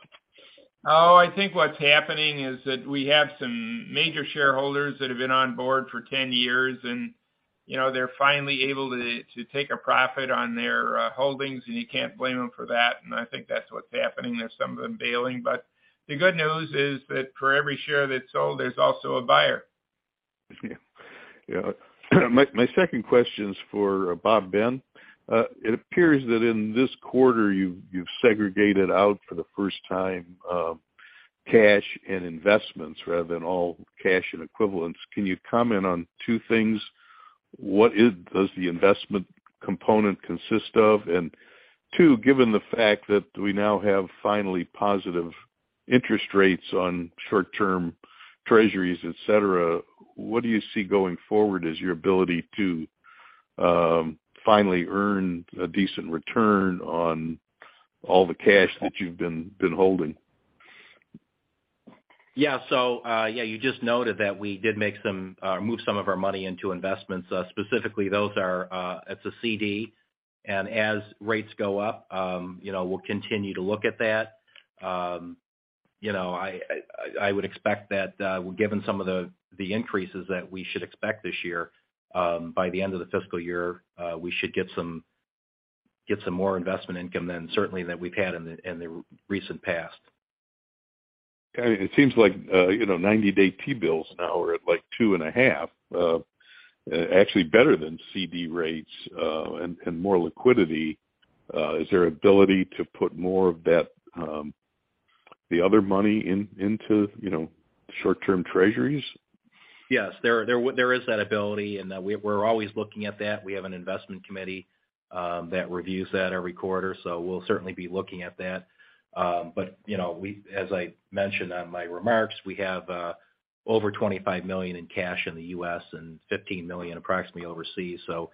I think what's happening is that we have some major shareholders that have been on board for 10 years, and, you know, they're finally able to take a profit on their holdings, and you can't blame them for that. I think that's what's happening. There's some of them bailing. The good news is that for every share that's sold, there's also a buyer. My second question is for Robert Ben. It appears that in this quarter, you've segregated out for the first time cash and investments rather than all cash and equivalents. Can you comment on two things? What does the investment component consist of? And two, given the fact that we now have finally positive interest rates on short-term treasuries, et cetera, what do you see going forward as your ability to finally earn a decent return on all the cash that you've been holding? Yeah, you just noted that we did move some of our money into investments. Specifically, it's a CD. As rates go up, you know, we'll continue to look at that. You know, I would expect that, given some of the increases that we should expect this year, by the end of the fiscal year, we should get some more investment income than certainly that we've had in the recent past. It seems like, you know, 90-day T-bills now are at, like, 2.5%, actually better than CD rates, and more liquidity. Is there ability to put more of that, the other money in, into, you know, short-term treasuries? Yes. There is that ability, and we're always looking at that. We have an investment committee that reviews that every quarter, so we'll certainly be looking at that. But, you know, as I mentioned in my remarks, we have over $25 million in cash in the U.S. and approximately $15 million overseas. So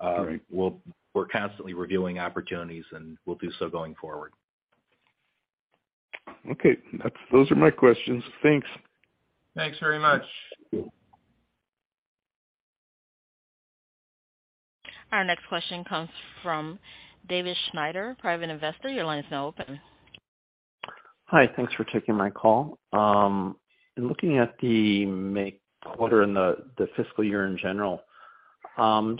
Great. We're constantly reviewing opportunities, and we'll do so going forward. Okay. Those are my questions. Thanks. Thanks very much. Thank you. Our next question comes from David Schneider, Private Investor. Your line is now open. Hi. Thanks for taking my call. In looking at the May quarter and the fiscal year in general,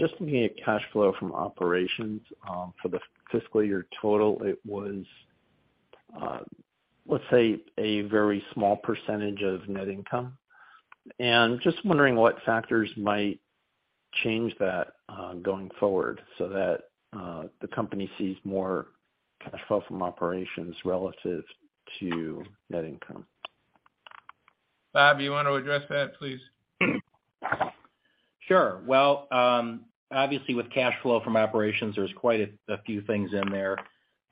just looking at cash flow from operations for the fiscal year total, it was, let's say, a very small percentage of net income. Just wondering what factors might change that going forward so that the company sees more cash flow from operations relative to net income. Bob, you want to address that, please? Sure. Well, obviously with cash flow from operations, there's quite a few things in there.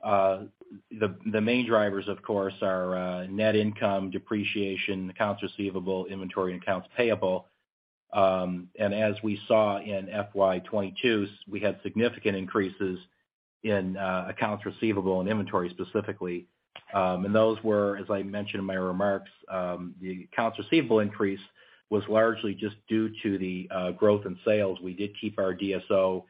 The main drivers, of course, are net income, depreciation, accounts receivable, inventory, and accounts payable. As we saw in FY 2022, we had significant increases in accounts receivable and inventory specifically. Those were, as I mentioned in my remarks, the accounts receivable increase was largely just due to the growth in sales. We did keep our DSO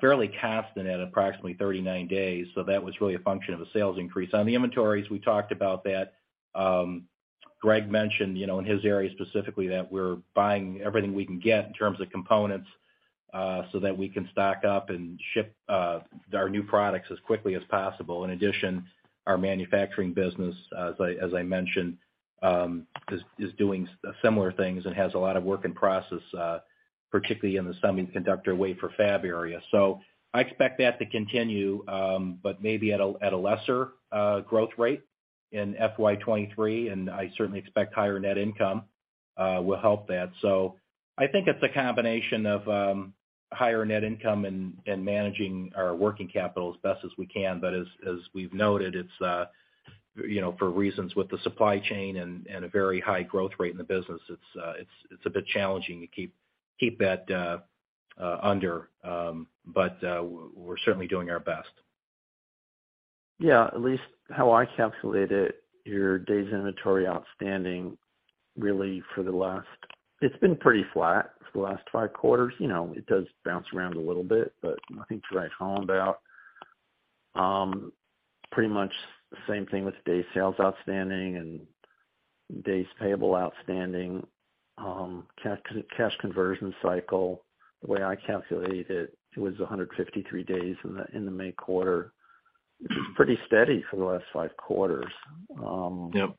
fairly constant at approximately 39 days, so that was really a function of the sales increase. On the inventories, we talked about that. Greg mentioned, you know, in his area specifically that we're buying everything we can get in terms of components, so that we can stock up and ship our new products as quickly as possible. In addition, our manufacturing business, as I mentioned, is doing similar things and has a lot of work in process, particularly in the semiconductor wafer fab area. I expect that to continue, but maybe at a lesser growth rate in FY 2023, and I certainly expect higher net income will help that. I think it's a combination of higher net income and managing our working capital as best as we can. As we've noted, you know, for reasons with the supply chain and a very high growth rate in the business, it's a bit challenging to keep that under. We're certainly doing our best. Yeah. At least how I calculate it, your days inventory outstanding really for the last five quarters. It's been pretty flat for the last five quarters. You know, it does bounce around a little bit, but I think you're right on about pretty much the same thing with days sales outstanding and days payable outstanding. Cash conversion cycle, the way I calculate it was 153 days in the May quarter. It's been pretty steady for the last five quarters. Yep.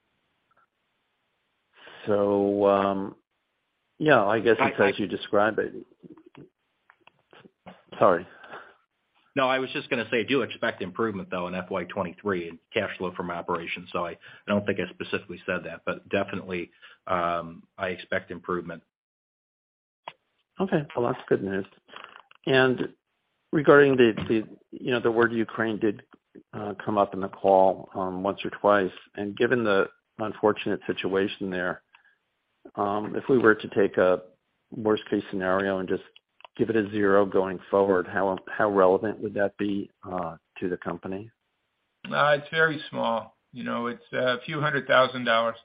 Yeah, I guess as you describe it. Sorry. No, I was just gonna say, I do expect improvement, though, in FY 2023 in cash flow from operations. I don't think I specifically said that, but definitely, I expect improvement. Okay. Well, that's good news. Regarding the, you know, the word Ukraine did come up in the call once or twice, and given the unfortunate situation there, if we were to take a worst case scenario and just give it a zero going forward, how relevant would that be to the company? It's very small. You know, it's a few hundred thousand dollars.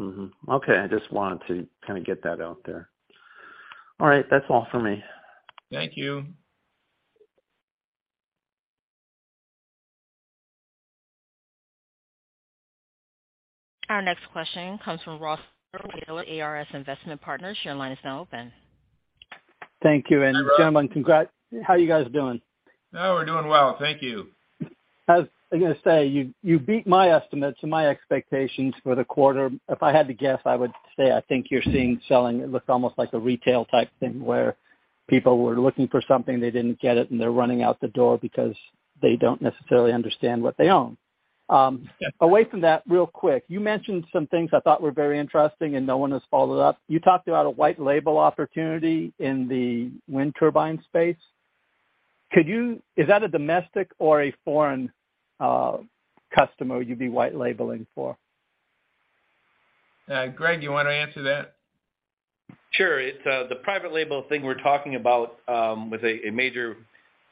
Okay. I just wanted to kinda get that out there. All right, that's all for me. Thank you. Our next question comes from P. Ross Taylor III, ARS Investment Partners. Your line is now open. Thank you. Gentlemen, how are you guys doing? Oh, we're doing well. Thank you. I was gonna say, you beat my estimates and my expectations for the quarter. If I had to guess, I would say I think you're seeing selling. It looked almost like a retail type thing where people were looking for something, they didn't get it, and they're running out the door because they don't necessarily understand what they own. Away from that real quick, you mentioned some things I thought were very interesting and no one has followed up. You talked about a white label opportunity in the wind turbine space. Is that a domestic or a foreign customer you'd be white labeling for? Greg, you wanna answer that? Sure. It's the private label thing we're talking about with a major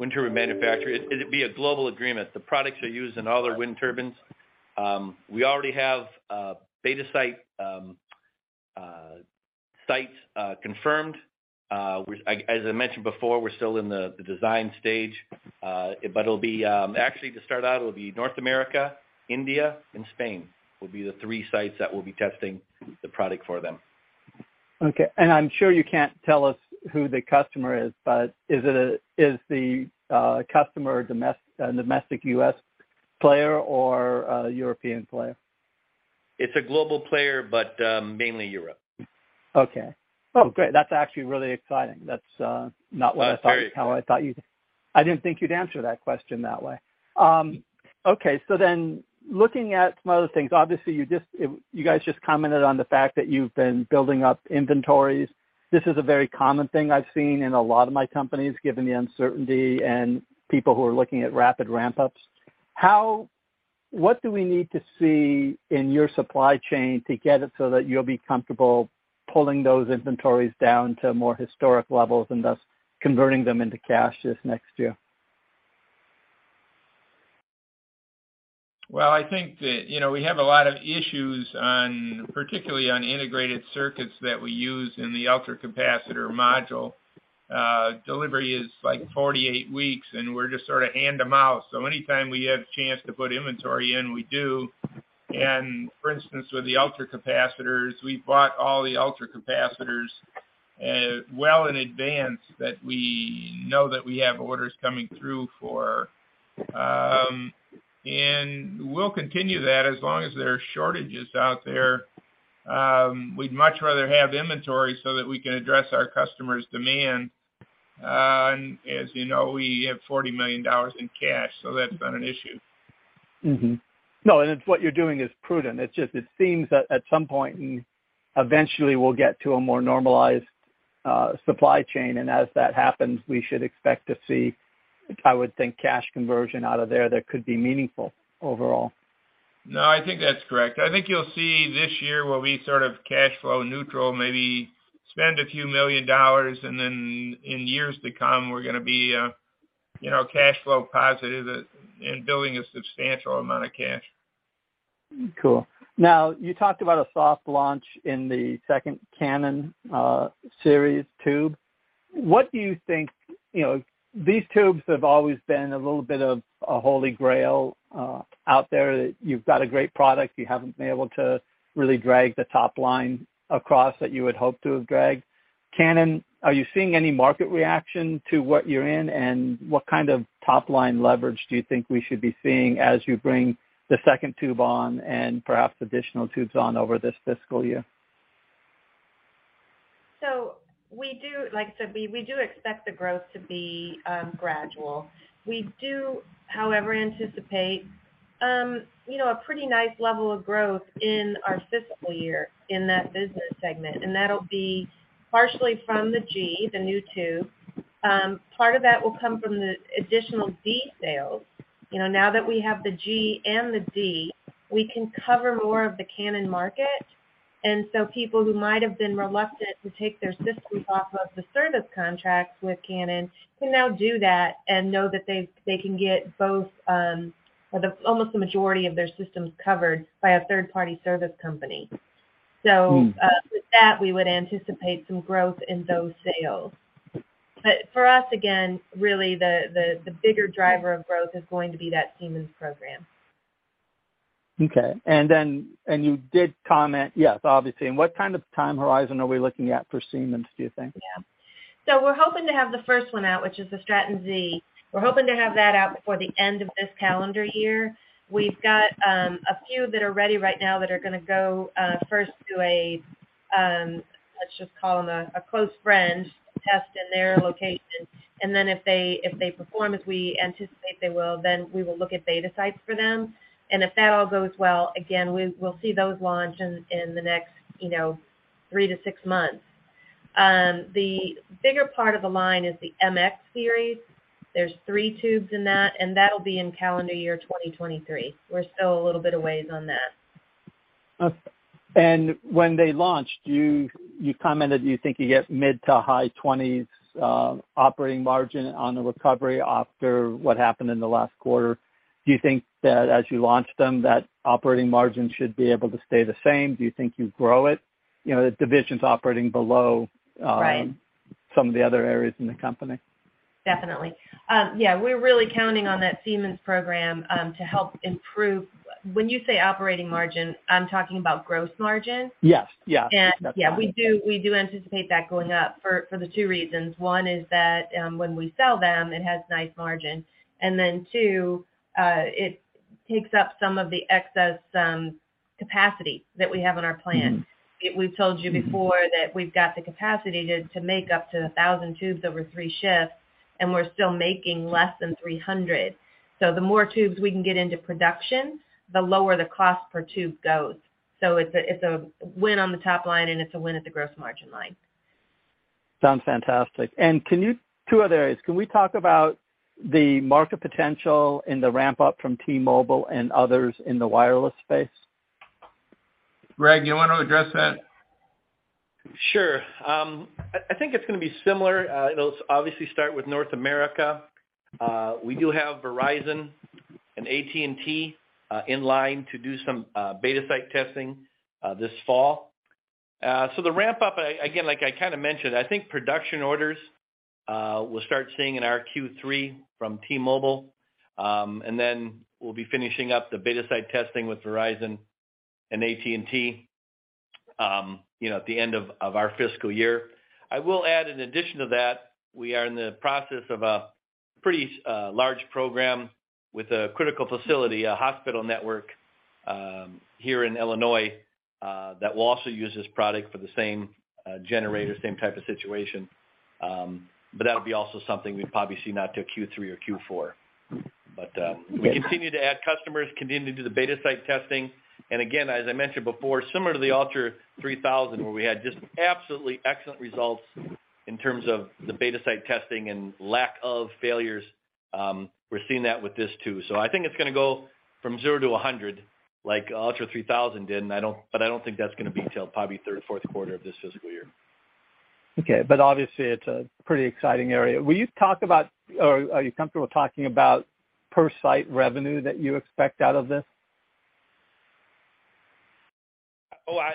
wind turbine manufacturer. It'd be a global agreement. The products are used in all their wind turbines. We already have beta sites confirmed. As I mentioned before, we're still in the design stage, but actually to start out, it'll be North America, India and Spain will be the three sites that we'll be testing the product for them. Okay. I'm sure you can't tell us who the customer is, but is the customer a domestic U.S. player or a European player? It's a global player, but mainly Europe. Okay. Oh, great. That's actually really exciting. That's not what I thought. That's very exciting. I didn't think you'd answer that question that way. Okay. Looking at some other things, obviously you just, you guys just commented on the fact that you've been building up inventories. This is a very common thing I've seen in a lot of my companies, given the uncertainty and people who are looking at rapid ramp-ups. What do we need to see in your supply chain to get it so that you'll be comfortable pulling those inventories down to more historic levels and thus converting them into cash this next year? Well, I think that, you know, we have a lot of issues on, particularly on integrated circuits that we use in the ultracapacitor module. Delivery is like 48 weeks, and we're just sort of hand to mouth. Anytime we have chance to put inventory in, we do. For instance, with the ultracapacitors, we bought all the ultracapacitors, well in advance that we know that we have orders coming through for. We'll continue that as long as there are shortages out there. We'd much rather have inventory so that we can address our customers' demand. And as you know, we have $40 million in cash, so that's not an issue. Mm-hmm. No, it's what you're doing is prudent. It's just, it seems that at some point, eventually we'll get to a more normalized supply chain, and as that happens, we should expect to see, I would think, cash conversion out of there that could be meaningful overall. No, I think that's correct. I think you'll see this year we'll be sort of cash flow neutral, maybe spend $a few million, and then in years to come, we're gonna be, you know, cash flow positive and building a substantial amount of cash. Cool. Now, you talked about a soft launch in the second Canon series tube. What do you think? You know, these tubes have always been a little bit of a holy grail out there. You've got a great product. You haven't been able to really drag the top line across that you would hope to have dragged. Canon, are you seeing any market reaction to what you're in, and what kind of top-line leverage do you think we should be seeing as you bring the second tube on and perhaps additional tubes on over this fiscal year? Like I said, we do expect the growth to be gradual. We do, however, anticipate you know, a pretty nice level of growth in our fiscal year in that business segment, and that'll be partially from the G, the new tube. Part of that will come from the additional D sales. You know, now that we have the G and the D, we can cover more of the Canon market. People who might have been reluctant to take their systems off of the service contracts with Canon can now do that and know that they can get both, or the almost the majority of their systems covered by a third-party service company. Mm. With that, we would anticipate some growth in those sales. For us, again, really the bigger driver of growth is going to be that Siemens program. Okay. You did comment, yes, obviously, and what kind of time horizon are we looking at for Siemens, do you think? Yeah. We're hoping to have the first one out, which is the Straton Z. We're hoping to have that out before the end of this calendar year. We've got a few that are ready right now that are gonna go first to a close friend to test in their location. If they perform as we anticipate they will, we will look at beta sites for them. If that all goes well, we'll see those launch in the next, you know, three to six months. The bigger part of the line is the MX series. There's three tubes in that, and that'll be in calendar year 2023. We're still a little bit of ways on that. Okay. When they launch, you commented you think you get mid- to high-20s% operating margin on the recovery after what happened in the last quarter. Do you think that as you launch them, that operating margin should be able to stay the same? Do you think you grow it? You know, the division's operating below- Right some of the other areas in the company. Definitely. Yeah, we're really counting on that Siemens program to help improve. When you say operating margin, I'm talking about gross margin? Yes. Yeah. Yeah. That's right. We do anticipate that going up for the two reasons. One is that, when we sell them, it has nice margin. Two, it takes up some of the excess capacity that we have in our plant. Mm. We've told you before that we've got the capacity to make up to 1,000 tubes over three shifts, and we're still making less than 300. The more tubes we can get into production, the lower the cost per tube goes. It's a win on the top line, and it's a win at the gross margin line. Sounds fantastic. Two other areas. Can we talk about the market potential and the ramp-up from T-Mobile and others in the wireless space? Greg, you wanna address that? Sure. I think it's gonna be similar. It'll obviously start with North America. We do have Verizon and AT&T in line to do some beta site testing this fall. The ramp-up, like I kinda mentioned, I think production orders we'll start seeing in our Q3 from T-Mobile. Then we'll be finishing up the beta site testing with Verizon and AT&T, you know, at the end of our fiscal year. I will add, in addition to that, we are in the process of a pretty large program with a critical facility, a hospital network here in Illinois that will also use this product for the same generator, same type of situation. That would be also something we'd probably see not till Q3 or Q4. Okay We continue to add customers, continue to do the beta site testing. Again, as I mentioned before, similar to the ULTRA3000 where we had just absolutely excellent results in terms of the beta site testing and lack of failures, we're seeing that with this too. I think it's gonna go from zero to a hundred like ULTRA3000 did, but I don't think that's gonna be till probably third or fourth quarter of this fiscal year. Okay. Obviously it's a pretty exciting area. Will you talk about or are you comfortable talking about per site revenue that you expect out of this?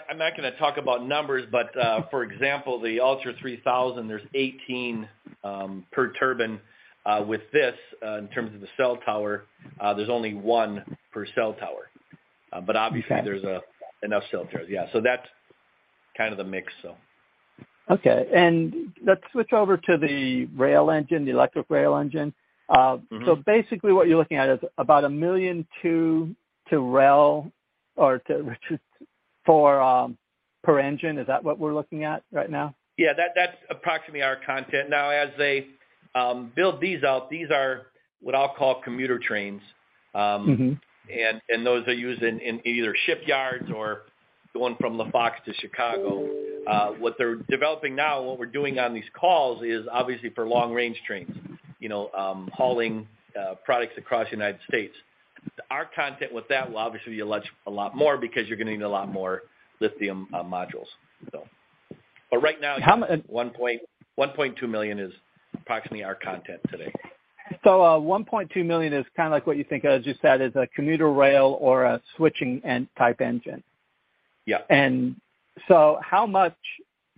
I'm not gonna talk about numbers, but for example, the ULTRA3000, there's 18 per turbine. With this, in terms of the cell tower, there's only one per cell tower. But obviously- Okay There's enough cell towers. Yeah. That's kind of the mix, so. Okay. Let's switch over to the rail engine, the electric rail engine. Mm-hmm Basically what you're looking at is about 1 million tubes for rail or 2-4 per engine? Is that what we're looking at right now? Yeah. That's approximately our content. Now, as they build these out, these are what I'll call commuter trains. Mm-hmm Those are used in either shipyards or the one from LaFox to Chicago. What they're developing now, what we're doing on these calls is obviously for long-range trains, you know, hauling products across the United States. Our contact with that will obviously be a lot more because you're gonna need a lot more lithium modules, so. Right now How mu- $1.1-$1.2 million is approximately our content today. $1.2 million is kind of like what you think of as you said is a commuter rail or a switching type engine? Yeah. How much?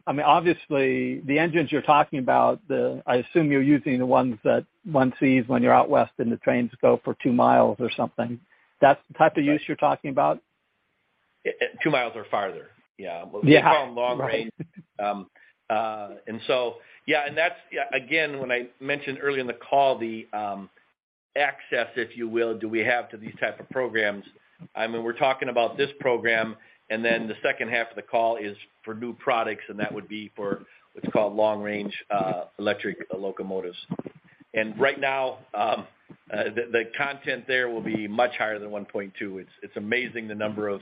I mean, obviously the engines you're talking about, I assume you're using the ones that one sees when you're out west and the trains go for two miles or something. That's the type of use you're talking about? 2 miles or farther. Yeah. Yeah. We call them long-range. Again, when I mentioned earlier in the call the access, if you will, that we have to these types of programs. I mean, we're talking about this program, and then the second half of the call is for new products, and that would be for what's called long-range electric locomotives. Right now, the content there will be much higher than 1.2. It's amazing the number of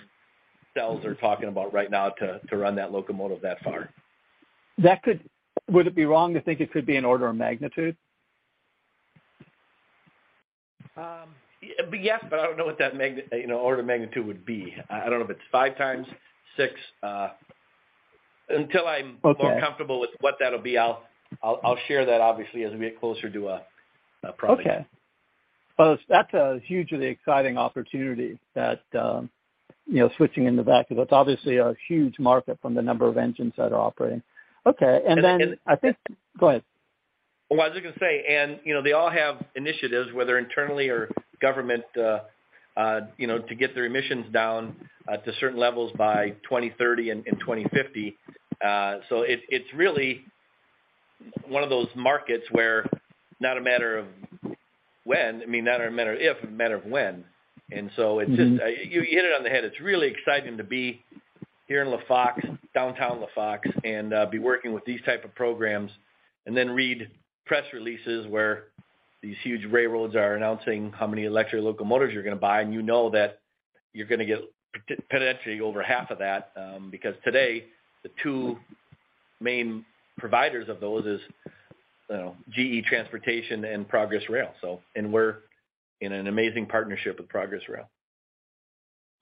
cells they're talking about right now to run that locomotive that far. Would it be wrong to think it could be an order of magnitude? Yes, I don't know what that, you know, order of magnitude would be. I don't know if it's five times, six. Okay. more comfortable with what that'll be, I'll share that obviously, as we get closer to a product. Okay. Well, that's a hugely exciting opportunity that, you know, switching in the back of it, that's obviously a huge market from the number of engines that are operating. Okay, and then- And- Go ahead. Well, I was just gonna say, you know, they all have initiatives, whether internally or government, you know, to get their emissions down, to certain levels by 2030 and 2050. It's really one of those markets where it's not a matter of if, a matter of when. It's just Mm-hmm. You hit it on the head. It's really exciting to be here in LaFox, downtown LaFox, and be working with these type of programs. Then read press releases where these huge railroads are announcing how many electric locomotives you're gonna buy, and you know that you're gonna get potentially over half of that, because today the two main providers of those is, you know, GE Transportation and Progress Rail. We're in an amazing partnership with Progress Rail.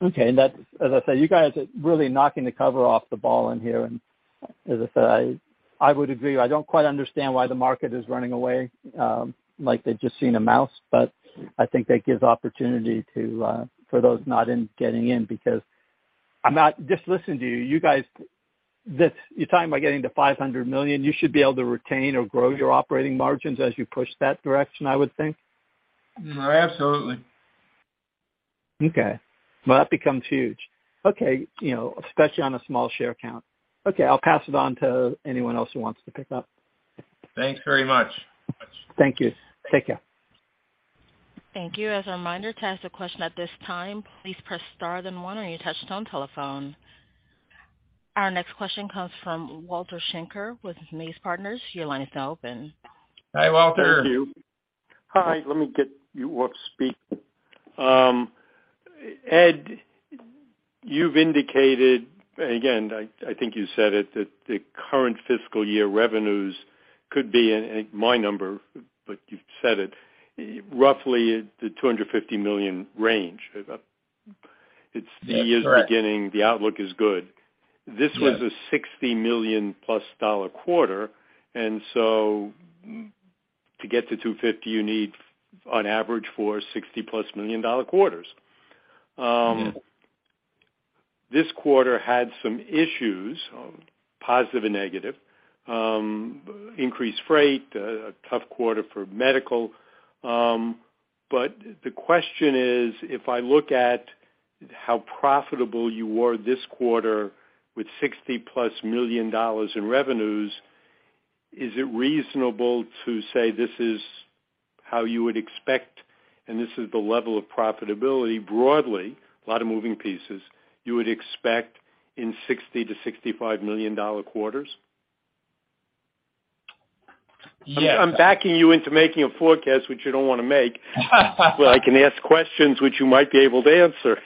Okay. That's, as I say, you guys are really knocking the cover off the ball in here. As I said, I would agree. I don't quite understand why the market is running away, like they've just seen a mouse. I think that gives opportunity for those not in to get in because I'm not. Just listening to you guys, you're talking about getting to $500 million, you should be able to retain or grow your operating margins as you push that direction, I would think. Absolutely. Okay. Well, that becomes huge. Okay, you know, especially on a small share count. Okay, I'll pass it on to anyone else who wants to pick up. Thanks very much. Thank you. Take care. Thank you. As a reminder, to ask a question at this time, please press star then one on your touchtone telephone. Our next question comes from Walter Schenker with MAZ Partners. Your line is now open. Hi, Walter. Thank you. Hi. Let me get you up to speed. Ed, you've indicated, again, I think you said it, that the current fiscal year revenues could be, and it's my number, but you've said it, roughly the $250 million range. It's the year's- That's correct. The outlook is good. Yes. This was a $60 million+ quarter, and so to get to $250, you need on average four $60+ million quarters. Yes. This quarter had some issues, positive and negative. Increased freight, a tough quarter for medical. The question is, if I look at how profitable you were this quarter with $60+ million in revenues, is it reasonable to say this is how you would expect, and this is the level of profitability broadly, a lot of moving pieces, you would expect in $60-$65 million quarters? Yeah. I'm backing you into making a forecast which you don't wanna make. I can ask questions which you might be able to answer.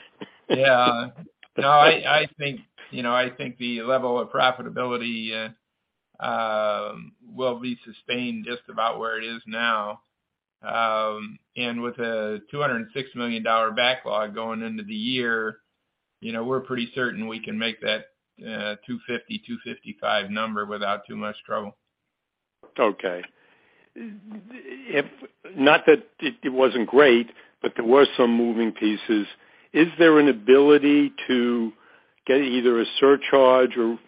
No, I think, you know, I think the level of profitability will be sustained just about where it is now. With a $206 million backlog going into the year, you know, we're pretty certain we can make that 250-255 number without too much trouble. Okay. Not that it wasn't great, but there were some moving pieces. Is there an ability to get either a surcharge or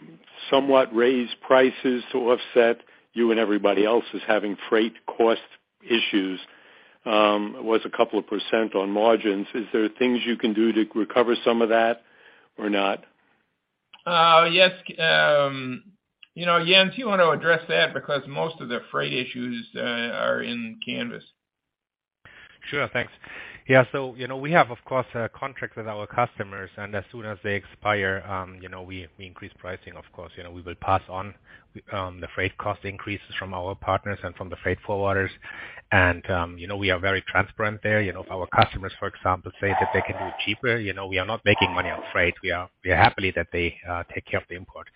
somewhat raise prices to offset you and everybody else is having freight cost issues, was a couple of % on margins. Is there things you can do to recover some of that or not? Yes. You know, Jens, you want to address that because most of the freight issues are in Canvys. Sure. Thanks. Yeah. We have of course a contract with our customers, and as soon as they expire, you know, we increase pricing, of course. You know, we will pass on the freight cost increases from our partners and from the freight forwarders. We are very transparent there. You know, if our customers, for example, say that they can do it cheaper, you know, we are not making money on freight. We are happy that they take care of the import.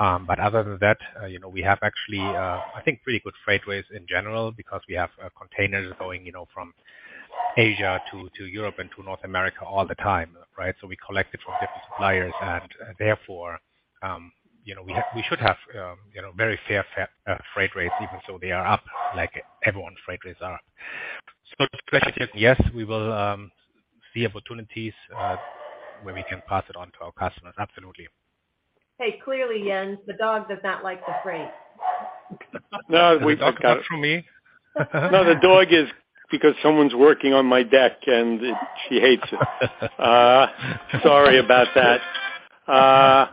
Other than that, you know, we have actually I think pretty good freight rates in general because we have containers going, you know, from Asia to Europe and to North America all the time, right? We collect it from different suppliers, and therefore, you know, we should have, you know, very fair freight rates even so they are up like everyone's freight rates are. Yes, we will see opportunities where we can pass it on to our customers. Absolutely. Hey, clearly, Jens, the dog does not like the freight. No. The dog came for me. No, the dog is because someone's working on my deck and she hates it. Sorry about that.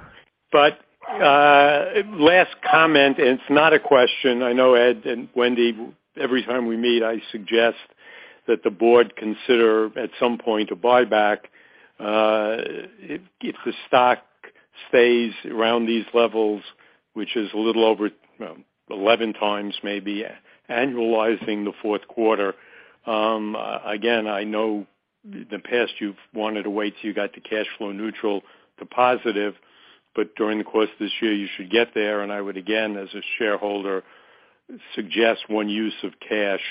Last comment, and it's not a question. I know Ed and Wendy, every time we meet, I suggest that the board consider at some point a buyback. If the stock stays around these levels, which is a little over 11 times maybe annualizing the fourth quarter, again, I know in the past you've wanted to wait till you got to cash flow neutral to positive. During the course of this year, you should get there. I would again, as a shareholder, suggest one use of cash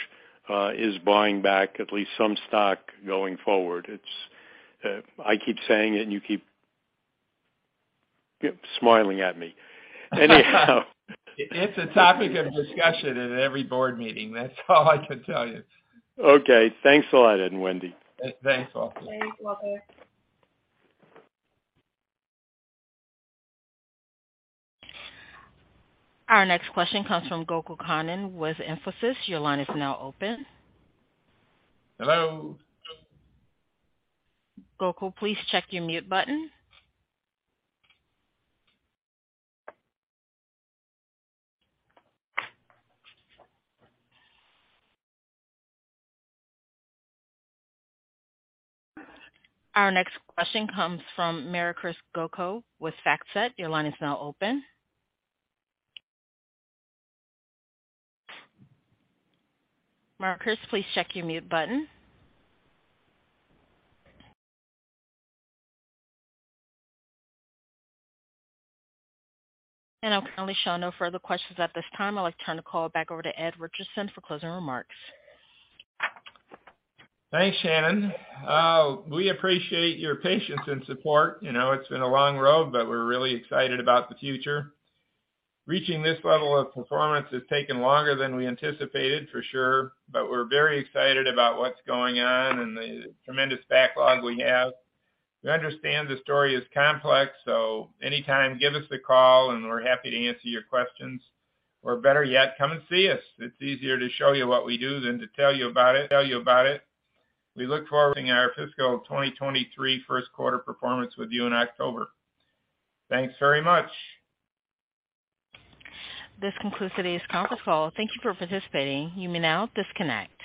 is buying back at least some stock going forward. It's, I keep saying it, and you keep smiling at me. Anyhow. It's a topic of discussion at every board meeting. That's all I can tell you. Okay. Thanks a lot, Ed and Wendy. Thanks, Walter. Thanks, Walter. Our next question comes from Gokul Kannan with [Emphasis]. Your line is now open. Hello. Gokul, please check your mute button. Our next question comes from Maricar Goco with FactSet. Your line is now open. Maricar, please check your mute button. I'm currently showing no further questions at this time. I'd like to turn the call back over to Ed Richardson for closing remarks. Thanks, Shannon. We appreciate your patience and support. You know, it's been a long road, but we're really excited about the future. Reaching this level of performance has taken longer than we anticipated for sure, but we're very excited about what's going on and the tremendous backlog we have. We understand the story is complex, so anytime give us a call and we're happy to answer your questions. Or better yet, come and see us. It's easier to show you what we do than to tell you about it. We look forward to our fiscal 2023 first quarter performance with you in October. Thanks very much. This concludes today's conference call. Thank you for participating. You may now disconnect.